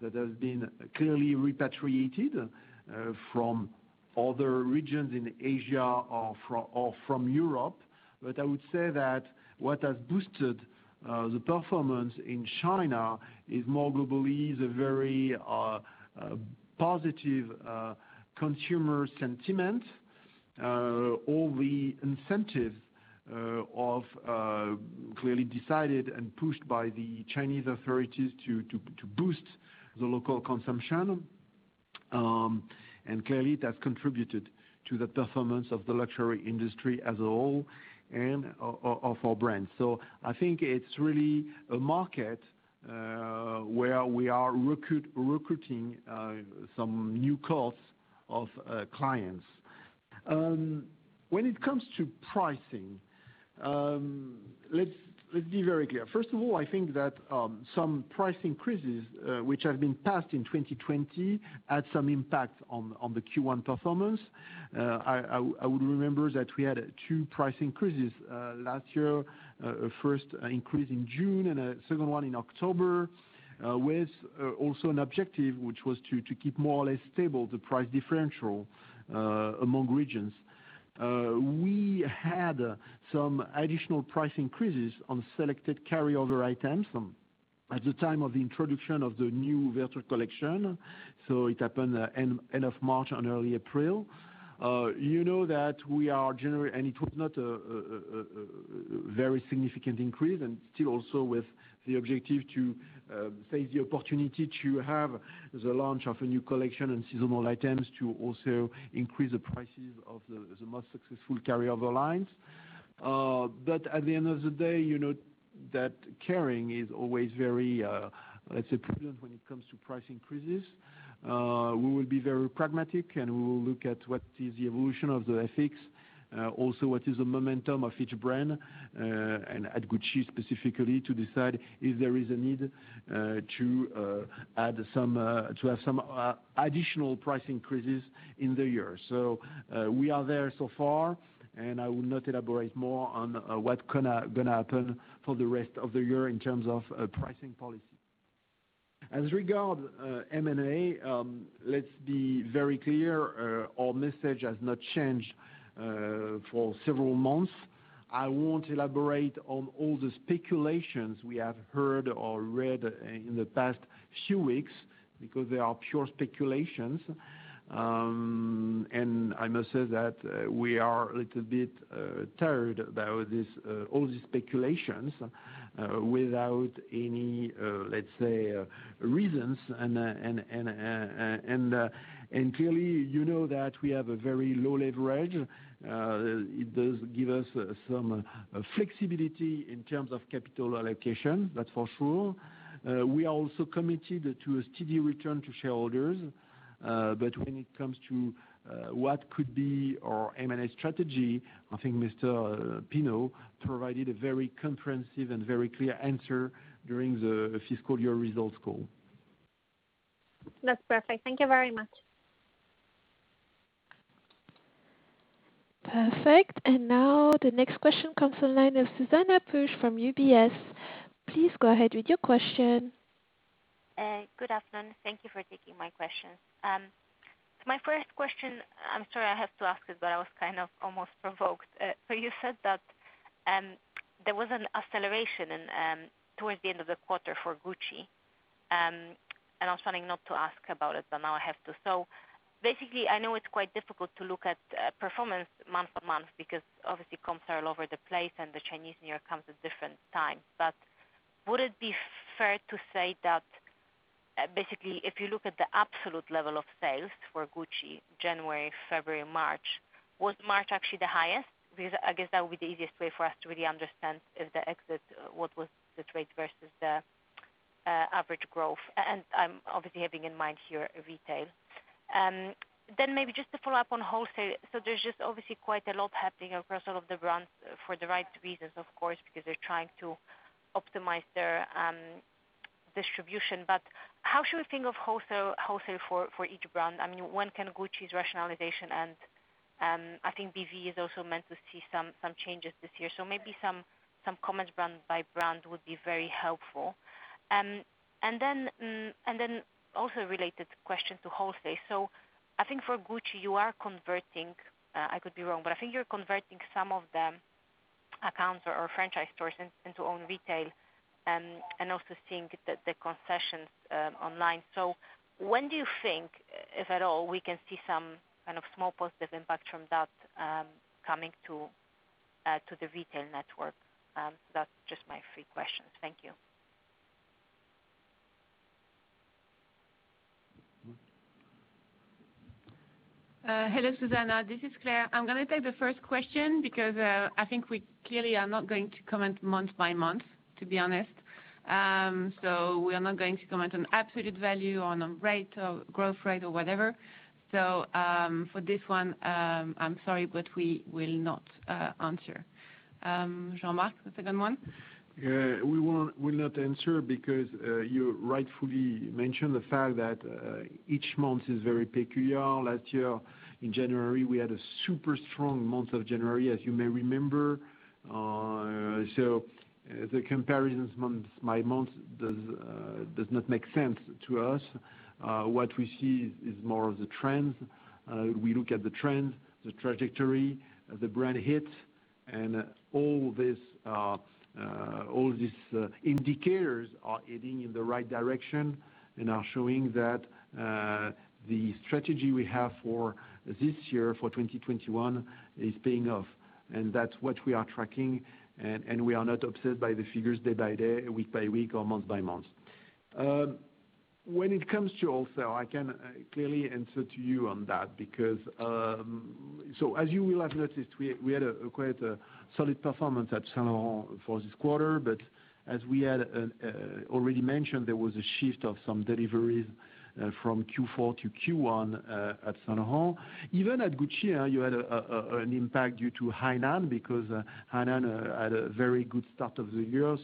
that has been clearly repatriated from other regions in Asia or from Europe. I would say that what has boosted the performance in China is more globally the very positive consumer sentiment. All the incentives of clearly decided and pushed by the Chinese authorities to boost the local consumption, and clearly that contributed to the performance of the luxury industry as a whole and of our brands. I think it's really a market where we are recruiting some new cohorts of clients. When it comes to pricing, let's be very clear. First of all, I think that some price increases, which have been passed in 2020, had some impact on the Q1 performance. I would remember that we had two price increases last year, first increase in June and a second one in October, with also an objective, which was to keep more or less stable the price differential among regions. We had some additional price increases on selected carryover items at the time of the introduction of the new vertical collection. It happened end of March and early April. You know that we are. It was not a very significant increase, and still also with the objective to seize the opportunity to have the launch of a new collection and seasonal items to also increase the prices of the most successful carryover lines. At the end of the day, you know that Kering is always very, let's say, prudent when it comes to price increases. We will be very pragmatic, and we will look at what is the evolution of the FX, also what is the momentum of each brand, and at Gucci specifically to decide if there is a need to have some additional price increases in the year. We are there so far, and I will not elaborate more on what going to happen for the rest of the year in terms of pricing policy. As regard M&A, let's be very clear, our message has not changed for several months. I won't elaborate on all the speculations we have heard or read in the past few weeks because they are pure speculations. I must say that we are a little bit tired about all these speculations without any, let's say, reasons. Clearly, you know that we have a very low leverage. It does give us some flexibility in terms of capital allocation, that's for sure. We are also committed to a steady return to shareholders. When it comes to what could be our M&A strategy, I think François-Henri Pinault provided a very comprehensive and very clear answer during the fiscal year results call. That's perfect. Thank you very much. Perfect. Now the next question comes from the line of Zuzanna Pusz from UBS. Please go ahead with your question. Good afternoon. Thank you for taking my question. My first question, I'm sorry I have to ask it, but I was almost provoked. You said that there was an acceleration towards the end of the quarter for Gucci, and I was trying not to ask about it, but now I have to. Basically, I know it's quite difficult to look at performance month to month because obviously comps are all over the place, and the Chinese New Year comes at different times. Would it be fair to say that, basically, if you look at the absolute level of sales for Gucci January, February, March, was March actually the highest? Because I guess that would be the easiest way for us to really understand if the exit, what was the trade versus the average growth. I'm obviously having in mind here, retail. Maybe just to follow up on wholesale. There's just obviously quite a lot happening across all of the brands for the right reasons, of course, because they're trying to optimize their distribution. How should we think of wholesale for each brand? One, Gucci's rationalization, and I think BV is also meant to see some changes this year. Maybe some comments brand by brand would be very helpful. Also a related question to wholesale. I think for Gucci, you are converting, I could be wrong, but I think you're converting some of the accounts or franchise stores into own retail and also seeing the concessions online. When do you think, if at all, we can see some kind of small positive impact from that coming to the retail network? That's just my three questions. Thank you. Hello, Zuzanna. This is Claire. I'm going to take the first question because I think we clearly are not going to comment month by month, to be honest. We are not going to comment on absolute value, on growth rate or whatever. For this one, I'm sorry, but we will not answer. Jean-Marc, the second one? We will not answer because you rightfully mentioned the fact that each month is very peculiar. Last year, in January, we had a super strong month of January, as you may remember. The comparisons month by month does not make sense to us. What we see is more of the trend. We look at the trend, the trajectory, the brand heat, and all these indicators are heading in the right direction and are showing that the strategy we have for this year, for 2021, is paying off. That's what we are tracking, and we are not obsessed by the figures day by day, week by week, or month by month. When it comes to wholesale, I can clearly answer to you on that as you will have noticed, we had quite a solid performance at Saint Laurent for this quarter. As we had already mentioned, there was a shift of some deliveries from Q4 to Q1 at Saint Laurent. Even at Gucci, you had an impact due to Hainan because Hainan had a very good start of the year.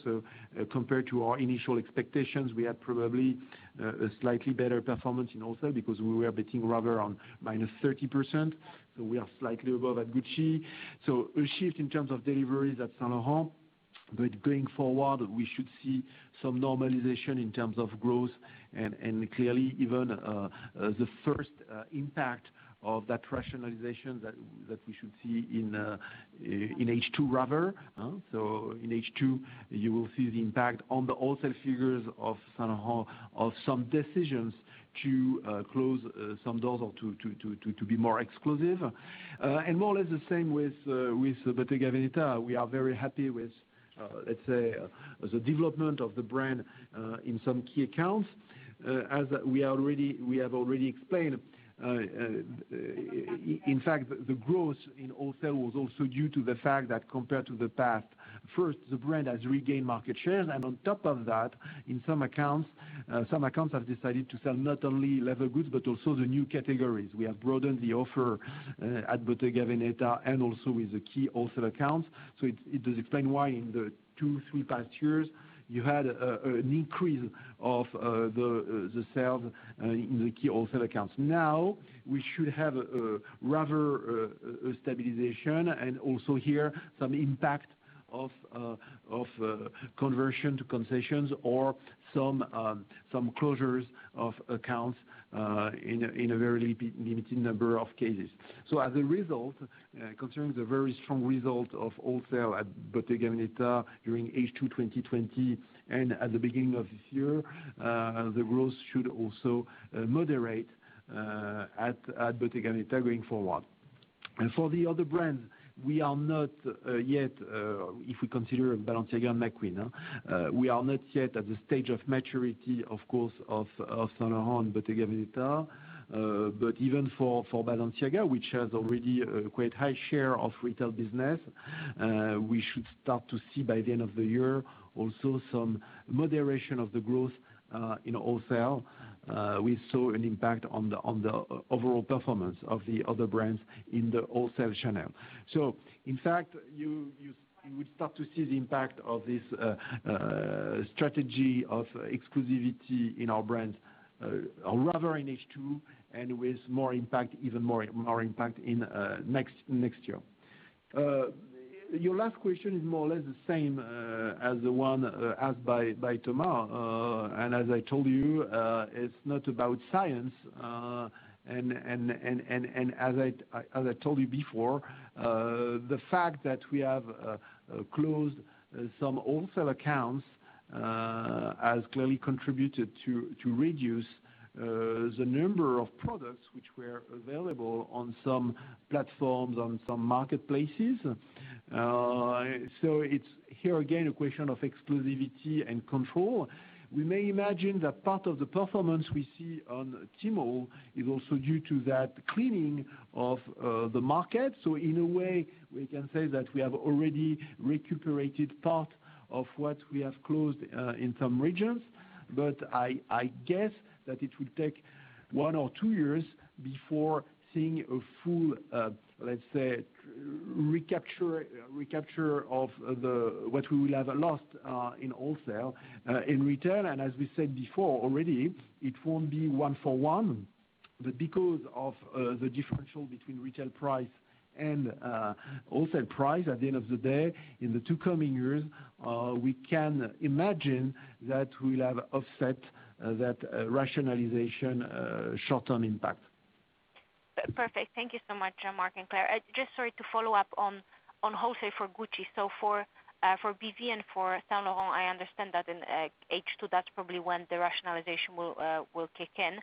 Compared to our initial expectations, we had probably a slightly better performance in wholesale because we were betting rather on minus 30%. We are slightly above at Gucci. A shift in terms of deliveries at Saint Laurent. Going forward, we should see some normalization in terms of growth, and clearly even the first impact of that rationalization that we should see in H2 rather. In H2, you will see the impact on the wholesale figures of Saint Laurent of some decisions to close some doors or to be more exclusive. More or less the same with Bottega Veneta. We are very happy with the development of the brand in some key accounts. As we have already explained, in fact, the growth in wholesale was also due to the fact that compared to the past, first, the brand has regained market share. On top of that, in some accounts, some accounts have decided to sell not only leather goods but also the new categories. We have broadened the offer at Bottega Veneta and also with the key wholesale accounts. It does explain why in the two, three past years, you had an increase of the sales in the key wholesale accounts. Now, we should have rather a stabilization and also here some impact of conversion to concessions or some closures of accounts in a very limited number of cases. As a result, concerning the very strong result of wholesale at Bottega Veneta during H2 2020 and at the beginning of this year, the growth should also moderate at Bottega Veneta going forward. For the other brands, if we consider Balenciaga and McQueen, we are not yet at the stage of maturity, of course, of Saint Laurent, Bottega Veneta. Even for Balenciaga, which has already a quite high share of retail business, we should start to see by the end of the year also some moderation of the growth in wholesale. We saw an impact on the overall performance of the other brands in the wholesale channel. In fact, you would start to see the impact of this strategy of exclusivity in our brands rather in H2 and with even more impact in next year. Your last question is more or less the same as the one asked by Thomas. As I told you, it's not about science. As I told you before, the fact that we have closed some wholesale accounts has clearly contributed to reduce the number of products which were available on some platforms, on some marketplaces. It's, here again, a question of exclusivity and control. We may imagine that part of the performance we see on Tmall is also due to that cleaning of the market. In a way, we can say that we have already recuperated part of what we have closed in some regions. I guess that it will take one or two years before seeing a full, let's say, recapture of what we will have lost in wholesale, in retail. As we said before already, it won't be one for one. Because of the differential between retail price and wholesale price, at the end of the day, in the two coming years, we can imagine that we'll have offset that rationalization short-term impact. Perfect. Thank you so much, Jean-Marc and Claire. Just sorry to follow up on wholesale for Gucci. For BV and for Saint Laurent, I understand that in H2, that's probably when the rationalization will kick in.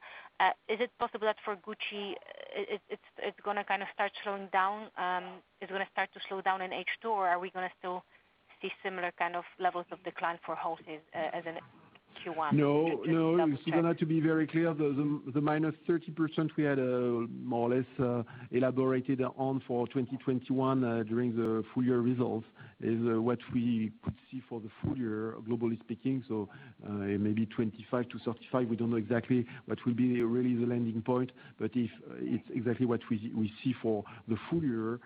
Is it possible that for Gucci it's going to start slowing down in H2, or are we going to still see similar levels of decline for wholesale as in Q1? No, Zuzanna, to be very clear, the minus 30% we had more or less elaborated on for 2021, during the full-year results, is what we could see for the full year, globally speaking. Maybe 25%-35%, we don't know exactly what will be really the landing point. It's exactly what we see for the full year,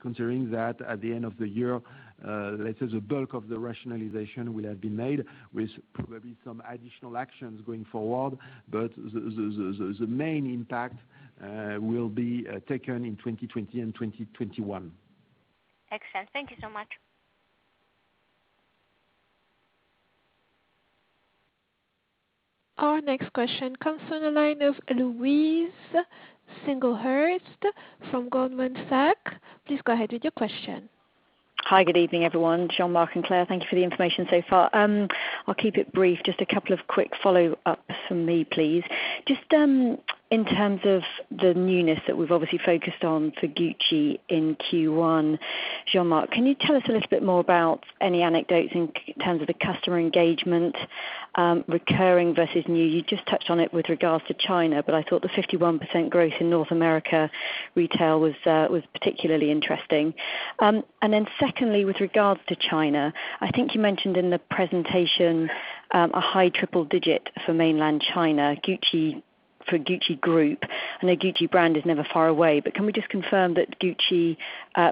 considering that at the end of the year, let's say the bulk of the rationalization will have been made with probably some additional actions going forward. The main impact will be taken in 2020 and 2021. Excellent. Thank you so much. Our next question comes from the line of Louise Singlehurst from Goldman Sachs. Please go ahead with your question. Hi, good evening, everyone. Jean-Marc and Claire, thank you for the information so far. I'll keep it brief, just a couple of quick follow-ups from me, please. Just in terms of the newness that we've obviously focused on for Gucci in Q1, Jean-Marc, can you tell us a little bit more about any anecdotes in terms of the customer engagement, recurring versus new? You just touched on it with regards to China. I thought the 51% growth in North America retail was particularly interesting. Secondly, with regards to China, I think you mentioned in the presentation a high triple-digit for mainland China for Gucci group. I know Gucci brand is never far away, but can we just confirm that Gucci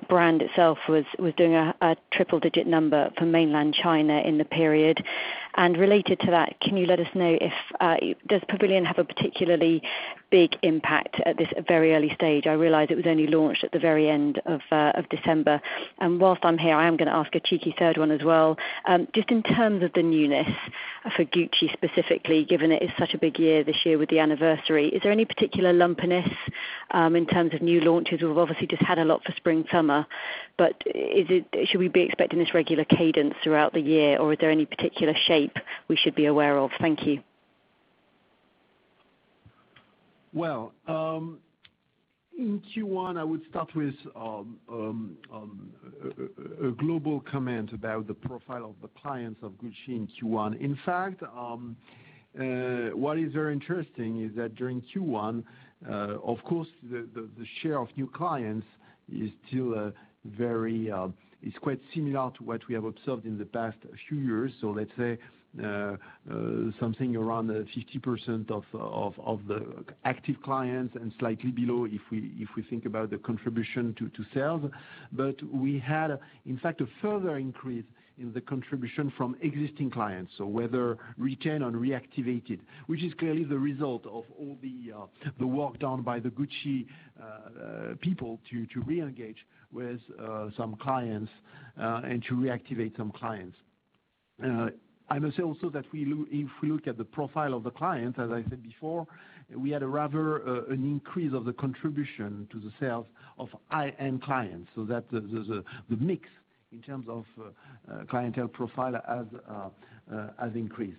brand itself was doing a triple-digit number for mainland China in the period? Related to that, can you let us know, does Pavilion have a particularly big impact at this very early stage? I realize it was only launched at the very end of December. Whilst I'm here, I am going to ask a cheeky third one as well. Just in terms of the newness for Gucci specifically, given it is such a big year this year with the anniversary, is there any particular lumpiness in terms of new launches? We've obviously just had a lot for spring-summer, but should we be expecting this regular cadence throughout the year, or is there any particular shape we should be aware of? Thank you. Well, in Q1, I would start with a global comment about the profile of the clients of Gucci in Q1. In fact, what is very interesting is that during Q1, of course, the share of new clients is quite similar to what we have observed in the past few years. Let's say something around 50% of the active clients and slightly below if we think about the contribution to sales. We had, in fact, a further increase in the contribution from existing clients, so whether return on reactivated, which is clearly the result of all the work done by the Gucci people to reengage with some clients and to reactivate some clients. I must say also that if we look at the profile of the client, as I said before, we had rather an increase of the contribution to the sales of high-end clients, so that the mix in terms of clientele profile has increased.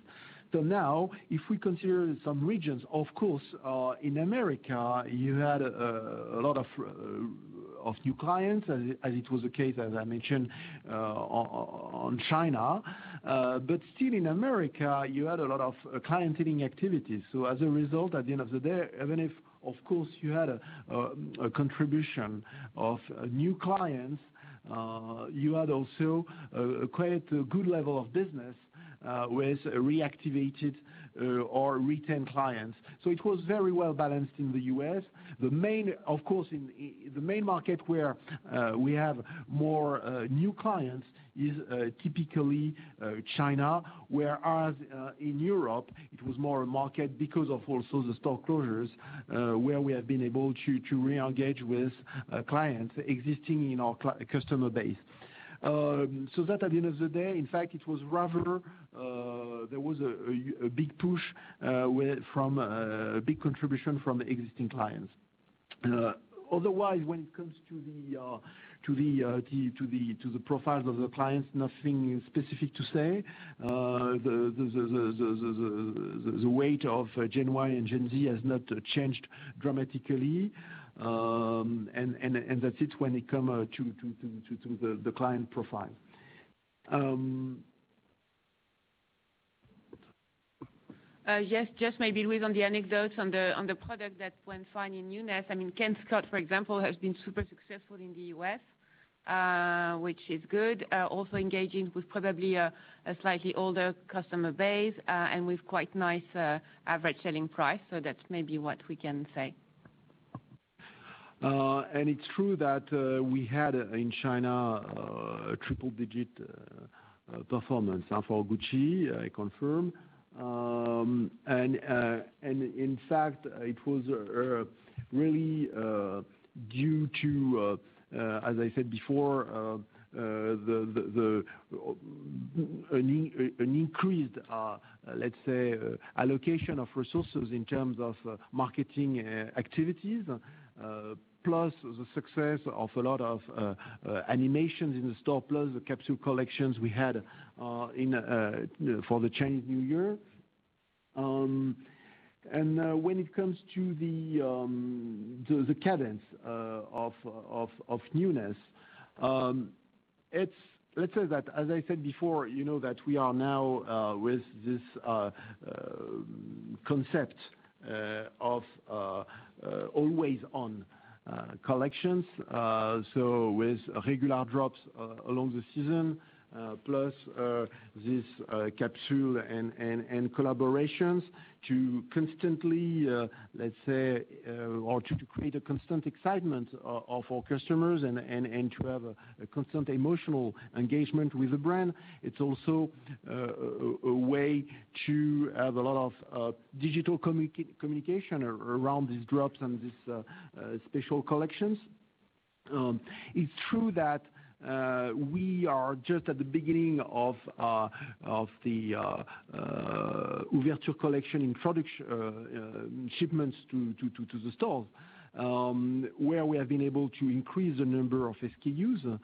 Now, if we consider some regions, of course, in America, you had a lot of new clients, as it was the case, as I mentioned, on China. Still in America, you had a lot of clienteling activities. As a result, at the end of the day, even if, of course, you had a contribution of new clients, you had also a quite good level of business with reactivated or retained clients. It was very well-balanced in the U.S. Of course, the main market where we have more new clients is typically China, whereas in Europe, it was more a market because of also the store closures, where we have been able to re-engage with clients existing in our customer base. That at the end of the day, in fact, there was a big push from a big contribution from existing clients. Otherwise, when it comes to the profiles of the clients, nothing specific to say. The weight of Gen Y and Gen Z has not changed dramatically. That's it when it comes to the client profile. Yes, just maybe with on the anecdotes on the product that went fine in newness. Ken Scott, for example, has been super successful in the U.S., which is good. Also engaging with probably a slightly older customer base, and with quite nice average selling price. That's maybe what we can say. It's true that we had, in China, a triple-digit performance for Gucci, I confirm. In fact, it was really due to as I said before an increased, let's say, allocation of resources in terms of marketing activities, plus the success of a lot of animations in the store, plus the capsule collections we had for the Chinese New Year. When it comes to the cadence of newness, let's say that, as I said before, you know that we are now with this concept of always-on collections. With regular drops along the season, plus this capsule and collaborations to constantly, let's say, or to create a constant excitement of our customers and to have a constant emotional engagement with the brand. It's also a way to have a lot of digital communication around these drops and these special collections. It's true that we are just at the beginning of the Ouverture collection in production shipments to the stores, where we have been able to increase the number of SKUs.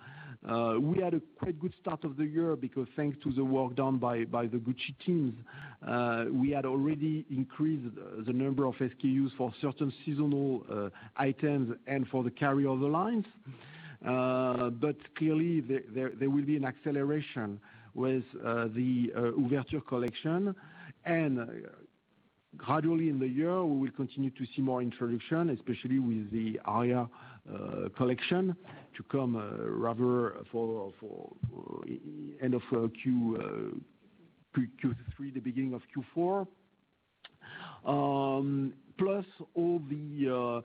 We had a quite good start of the year because thanks to the work done by the Gucci teams, we had already increased the number of SKUs for certain seasonal items and for the carryover lines. Clearly, there will be an acceleration with the Ouverture collection and gradually in the year, we will continue to see more introduction, especially with the Aria collection to come, rather for end of Q3, the beginning of Q4. Plus all the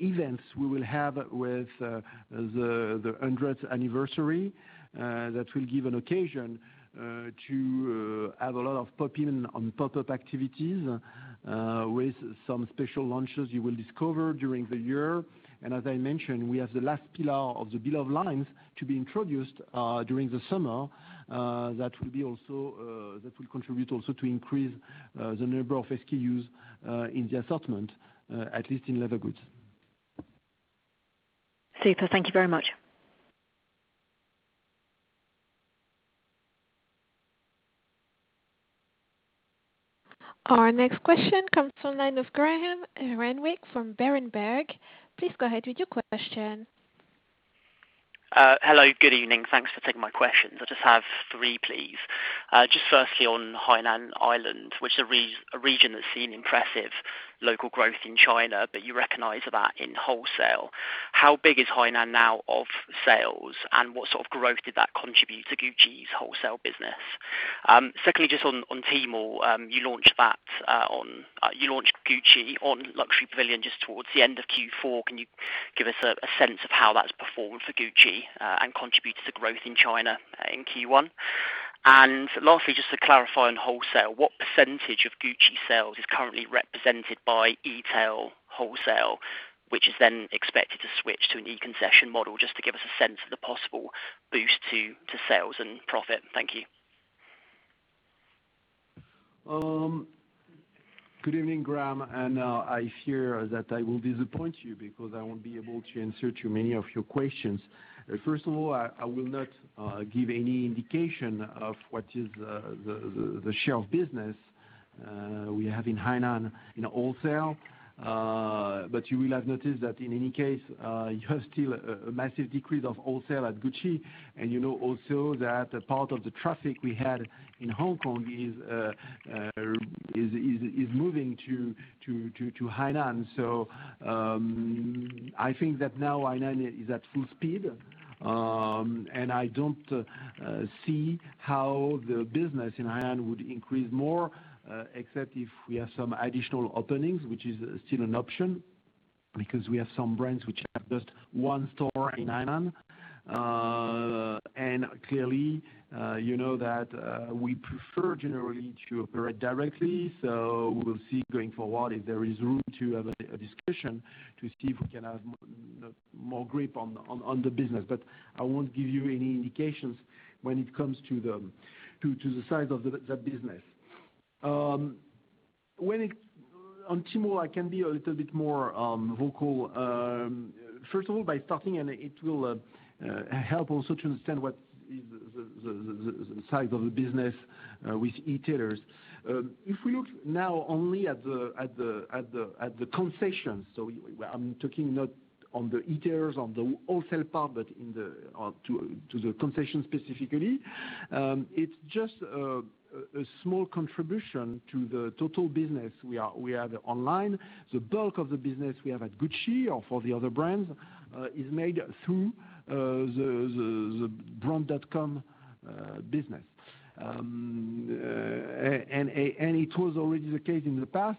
events we will have with the 100th anniversary, that will give an occasion to have a lot of pop-in on pop-up activities with some special launches you will discover during the year. As I mentioned, we have the last pillar of the Beloved lines to be introduced during the summer. That will contribute also to increase the number of SKUs in the assortment, at least in leather goods. Super. Thank you very much. Our next question comes from the line of Graham Renwick from Berenberg. Please go ahead with your question. Hello good evening, thanks for taking my questions. I just have three, please. Firstly on Hainan Island, which is a region that's seen impressive local growth in China, but you recognize that in wholesale. How big is Hainan now of sales, and what sort of growth did that contribute to Gucci's wholesale business? Secondly, on Tmall, you launched Gucci on Luxury Pavilion just towards the end of Q4. Can you give us a sense of how that's performed for Gucci and contributed to growth in China in Q1? Lastly, to clarify on wholesale, what % of Gucci sales is currently represented by e-tail wholesale, which is then expected to switch to an e-concession model, to give us a sense of the possible boost to sales and profit. Thank you. Good evening, Graham. I fear that I won't be able to answer too many of your questions. First of all, I will not give any indication of what is the share of business we have in Hainan in wholesale. You will have noticed that in any case, you have still a massive decrease of wholesale at Gucci. You know also that part of the traffic we had in Hong Kong is moving to Hainan. I think that now Hainan is at full speed. I don't see how the business in Hainan would increase more, except if we have some additional openings, which is still an option, because we have some brands which have just one store in Hainan. Clearly, you know that we prefer generally to operate directly. We will see going forward if there is room to have a discussion to see if we can have more grip on the business. I won't give you any indications when it comes to the size of that business. On Tmall, I can be a little bit more vocal. First of all, by starting, and it will help also to understand what is the size of the business with e-tailers. If we look now only at the concessions, so I'm talking not on the e-tailers, on the wholesale part, but to the concessions specifically, it's just a small contribution to the total business we have online. The bulk of the business we have at Gucci or for the other brands is made through the brand.com business. It was already the case in the past.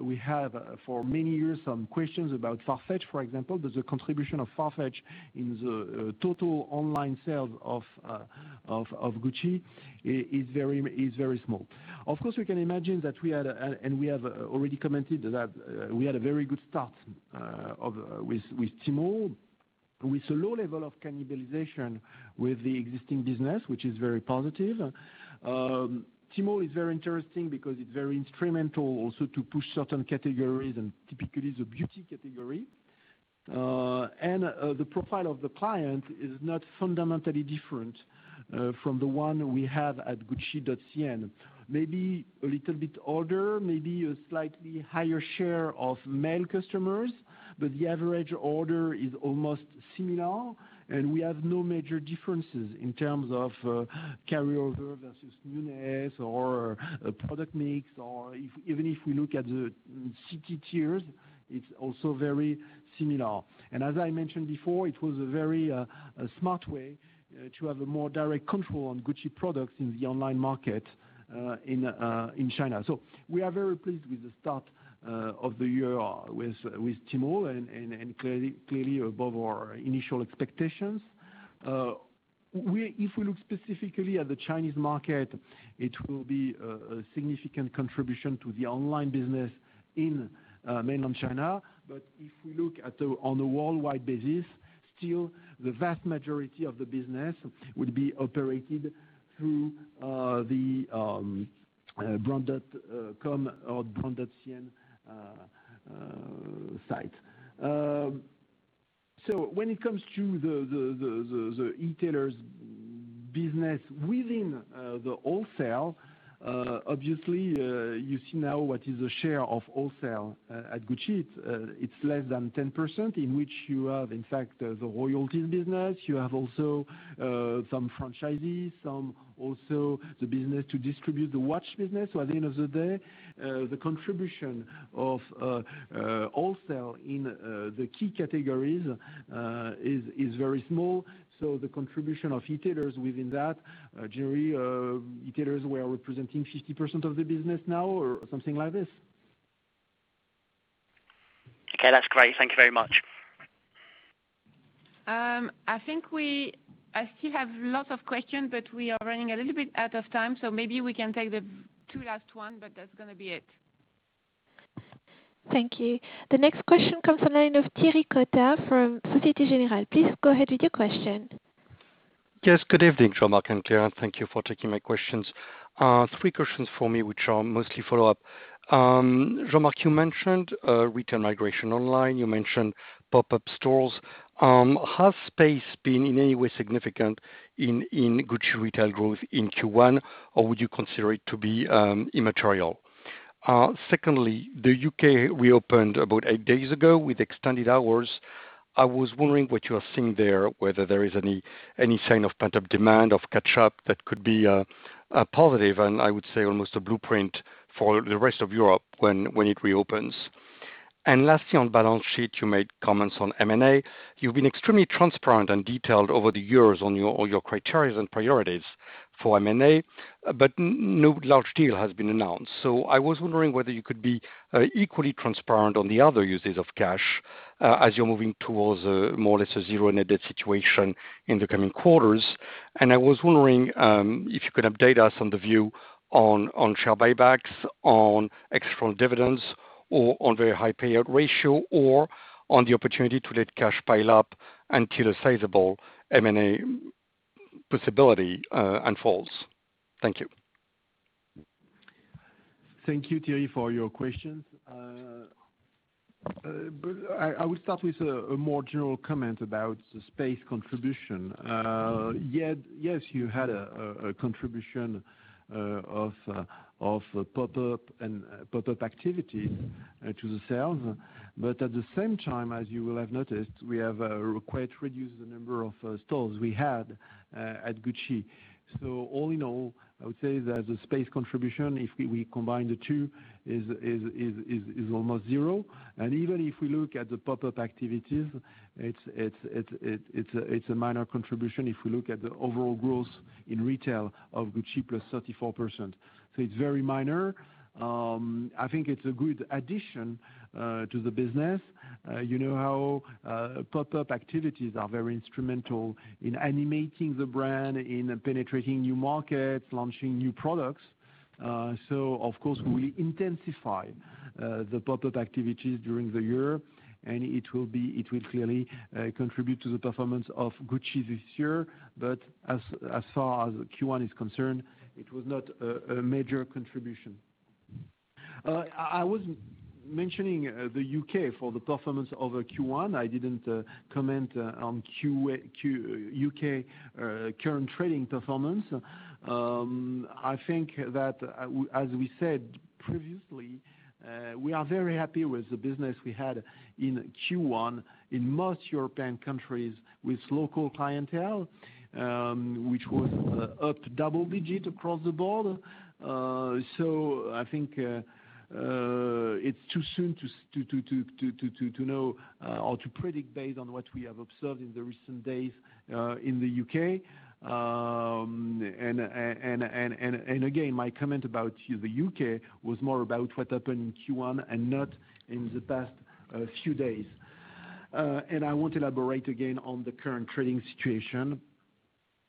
We have for many years some questions about Farfetch, for example. The contribution of Farfetch in the total online sales of Gucci is very small. Of course, we can imagine that we had, and we have already commented that we had a very good start with Tmall, with a low level of cannibalization with the existing business, which is very positive. Tmall is very interesting because it's very instrumental also to push certain categories and typically the beauty category. The profile of the client is not fundamentally different from the one we have at gucci.cn, maybe a little bit older, maybe a slightly higher share of male customers, but the average order is almost similar, and we have no major differences in terms of carryover versus newness or product mix. Even if we look at the city tiers, it's also very similar. As I mentioned before, it was a very smart way to have a more direct control on Gucci products in the online market in China. We are very pleased with the start of the year with Tmall, and clearly above our initial expectations. If we look specifically at the Chinese market, it will be a significant contribution to the online business in mainland China. If we look on a worldwide basis, still the vast majority of the business would be operated through the brand.com or brand.cn site. When it comes to the e-tailers business within the wholesale, obviously, you see now what is the share of wholesale at Gucci. It's less than 10%, in which you have in fact, the royalties business. You have also some franchisees, some also the business to distribute the watch business. At the end of the day, the contribution of wholesale in the key categories is very small. The contribution of e-tailers within that, generally, e-tailers were representing 50% of the business now or something like this. Okay. That's great. Thank you very much. I think I still have lots of questions, but we are running a little bit out of time, so maybe we can take the two last one, but that's going to be it. Thank you. The next question comes from the line of Thierry Cota from Societe Generale. Please go ahead with your question. Yes. Good evening, Jean-Marc and Claire. Thank you for taking my questions. Three questions for me, which are mostly follow-up. Jean-Marc, you mentioned retail migration online. You mentioned pop-up stores. Has space been in any way significant in Gucci retail growth in Q1, or would you consider it to be immaterial? Secondly, the U.K. reopened about eight days ago with extended hours. I was wondering what you are seeing there, whether there is any sign of pent-up demand of catch-up that could be a positive, and I would say almost a blueprint for the rest of Europe when it reopens. Lastly, on balance sheet, you made comments on M&A. You've been extremely transparent and detailed over the years on all your criteria and priorities for M&A, but no large deal has been announced. I was wondering whether you could be equally transparent on the other uses of cash as you're moving towards more or less a zero-net debt situation in the coming quarters. I was wondering if you could update us on the view on share buybacks, on external dividends, or on very high payout ratio, or on the opportunity to let cash pile up until a sizable M&A possibility unfolds. Thank you. Thank you, Thierry, for your question. I will start with a more general comment about the space contribution. Yes, you had a contribution of pop-up activity to the sales. At the same time, as you will have noticed, we have quite reduced the number of stores we had at Gucci. All in all, I would say that the space contribution, if we combine the two, is almost zero. Even if we look at the pop-up activities, it's a minor contribution if we look at the overall growth in retail of Gucci plus 34%. It's very minor. I think it's a good addition to the business. You know how pop-up activities are very instrumental in animating the brand, in penetrating new markets, launching new products. Of course, we intensify the pop-up activities during the year, and it will clearly contribute to the performance of Gucci this year. As far as Q1 is concerned, it was not a major contribution. I was mentioning the U.K. for the performance over Q1. I didn't comment on U.K. current trading performance. I think that, as we said previously, we are very happy with the business we had in Q1 in most European countries with local clientele, which was up double-digit across the board. I think it's too soon to know or to predict, based on what we have observed in the recent days, in the U.K. Again, my comment about the U.K. was more about what happened in Q1 and not in the past few days. I won't elaborate again on the current trading situation.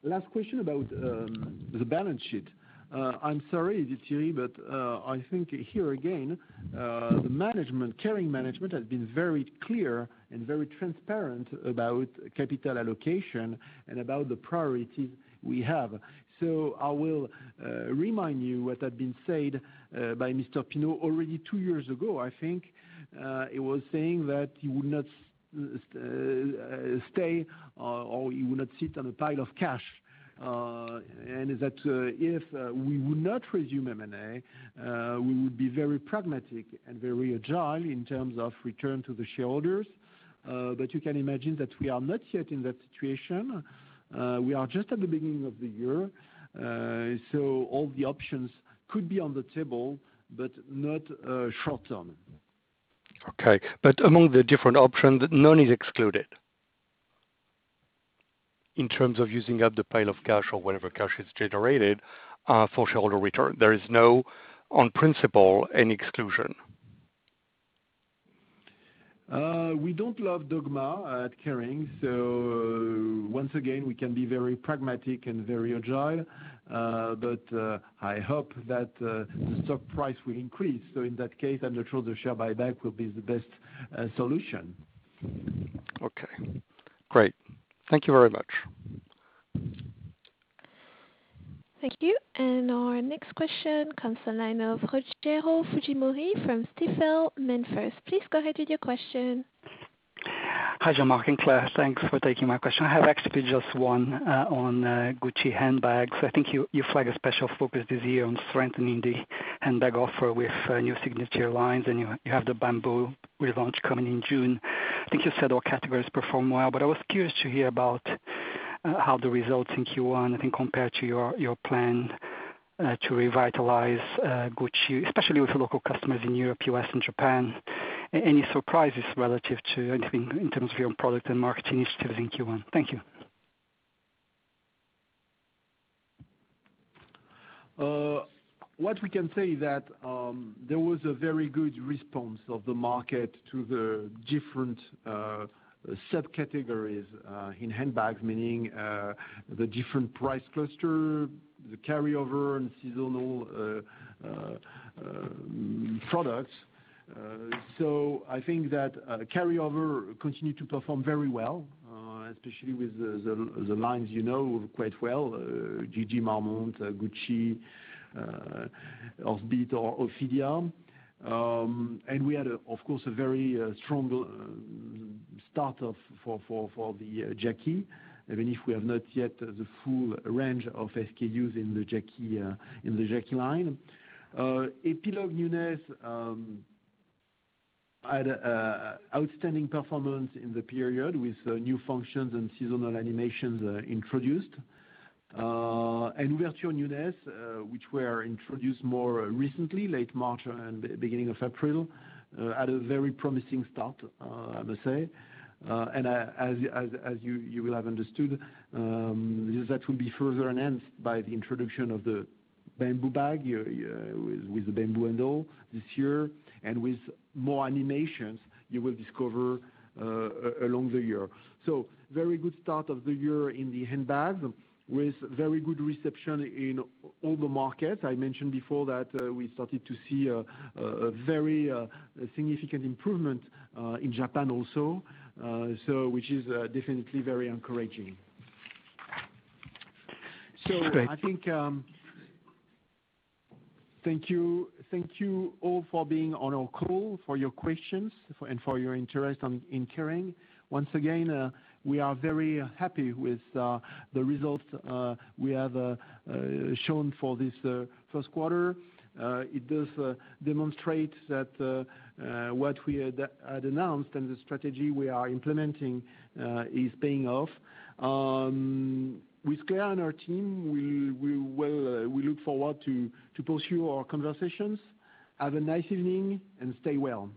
Last question about the balance sheet. I'm sorry, Thierry, I think here again, Kering management has been very clear and very transparent about capital allocation and about the priorities we have. I will remind you what had been said by François-Henri Pinault already two years ago, I think. He was saying that he would not stay or he would not sit on a pile of cash. That if we would not resume M&A, we would be very pragmatic and very agile in terms of return to the shareholders. You can imagine that we are not yet in that situation. We are just at the beginning of the year. All the options could be on the table, but not short term. Okay. Among the different options, none is excluded? In terms of using up the pile of cash or whatever cash is generated for shareholder return, there is no, on principle, an exclusion. We don't love dogma at Kering, so once again, we can be very pragmatic and very agile. I hope that the stock price will increase. In that case, I'm not sure the share buyback will be the best solution. Okay, great. Thank you very much. Thank you. Our next question comes on the line of Rogerio Fujimori from Stifel Nicolaus. Please go ahead with your question. Hi, Jean-Marc and Claire. Thanks for taking my question. I have actually just one on Gucci handbags. I think you flag a special focus this year on strengthening the handbag offer with new signature lines, and you have the Bamboo relaunch coming in June. I think you said all categories performed well, but I was curious to hear about how the results in Q1, I think, compare to your plan to revitalize Gucci, especially with local customers in Europe, U.S., and Japan. Any surprises relative to, in terms of your product and marketing initiatives in Q1? Thank you. What we can say is that there was a very good response of the market to the different sub-categories in handbags, meaning the different price cluster, the carry-over and seasonal products. So I think that carry-over continued to perform very well, especially with the lines you know quite well, GG Marmont, Gucci Ophidia or Ophidia. And we had, of course, a very strong start for the Jackie, even if we have not yet the full range of SKUs in the Jackie line. Epilogue newness had outstanding performance in the period, with new functions and seasonal animations introduced. Ouverture newness which were introduced more recently, late March and beginning of April, had a very promising start, I must say. As you will have understood, that will be further enhanced by the introduction of the Bamboo bag with the Bamboo handle this year and with more animations you will discover along the year. Very good start of the year in the handbag with very good reception in all the markets. I mentioned before that we started to see a very significant improvement in Japan also, which is definitely very encouraging. Great. I think, thank you all for being on our call, for your questions, and for your interest in Kering. Once again, we are very happy with the results we have shown for this first quarter. It does demonstrate that what we had announced and the strategy we are implementing is paying off. With Claire and our team, we look forward to pursue our conversations. Have a nice evening and stay well.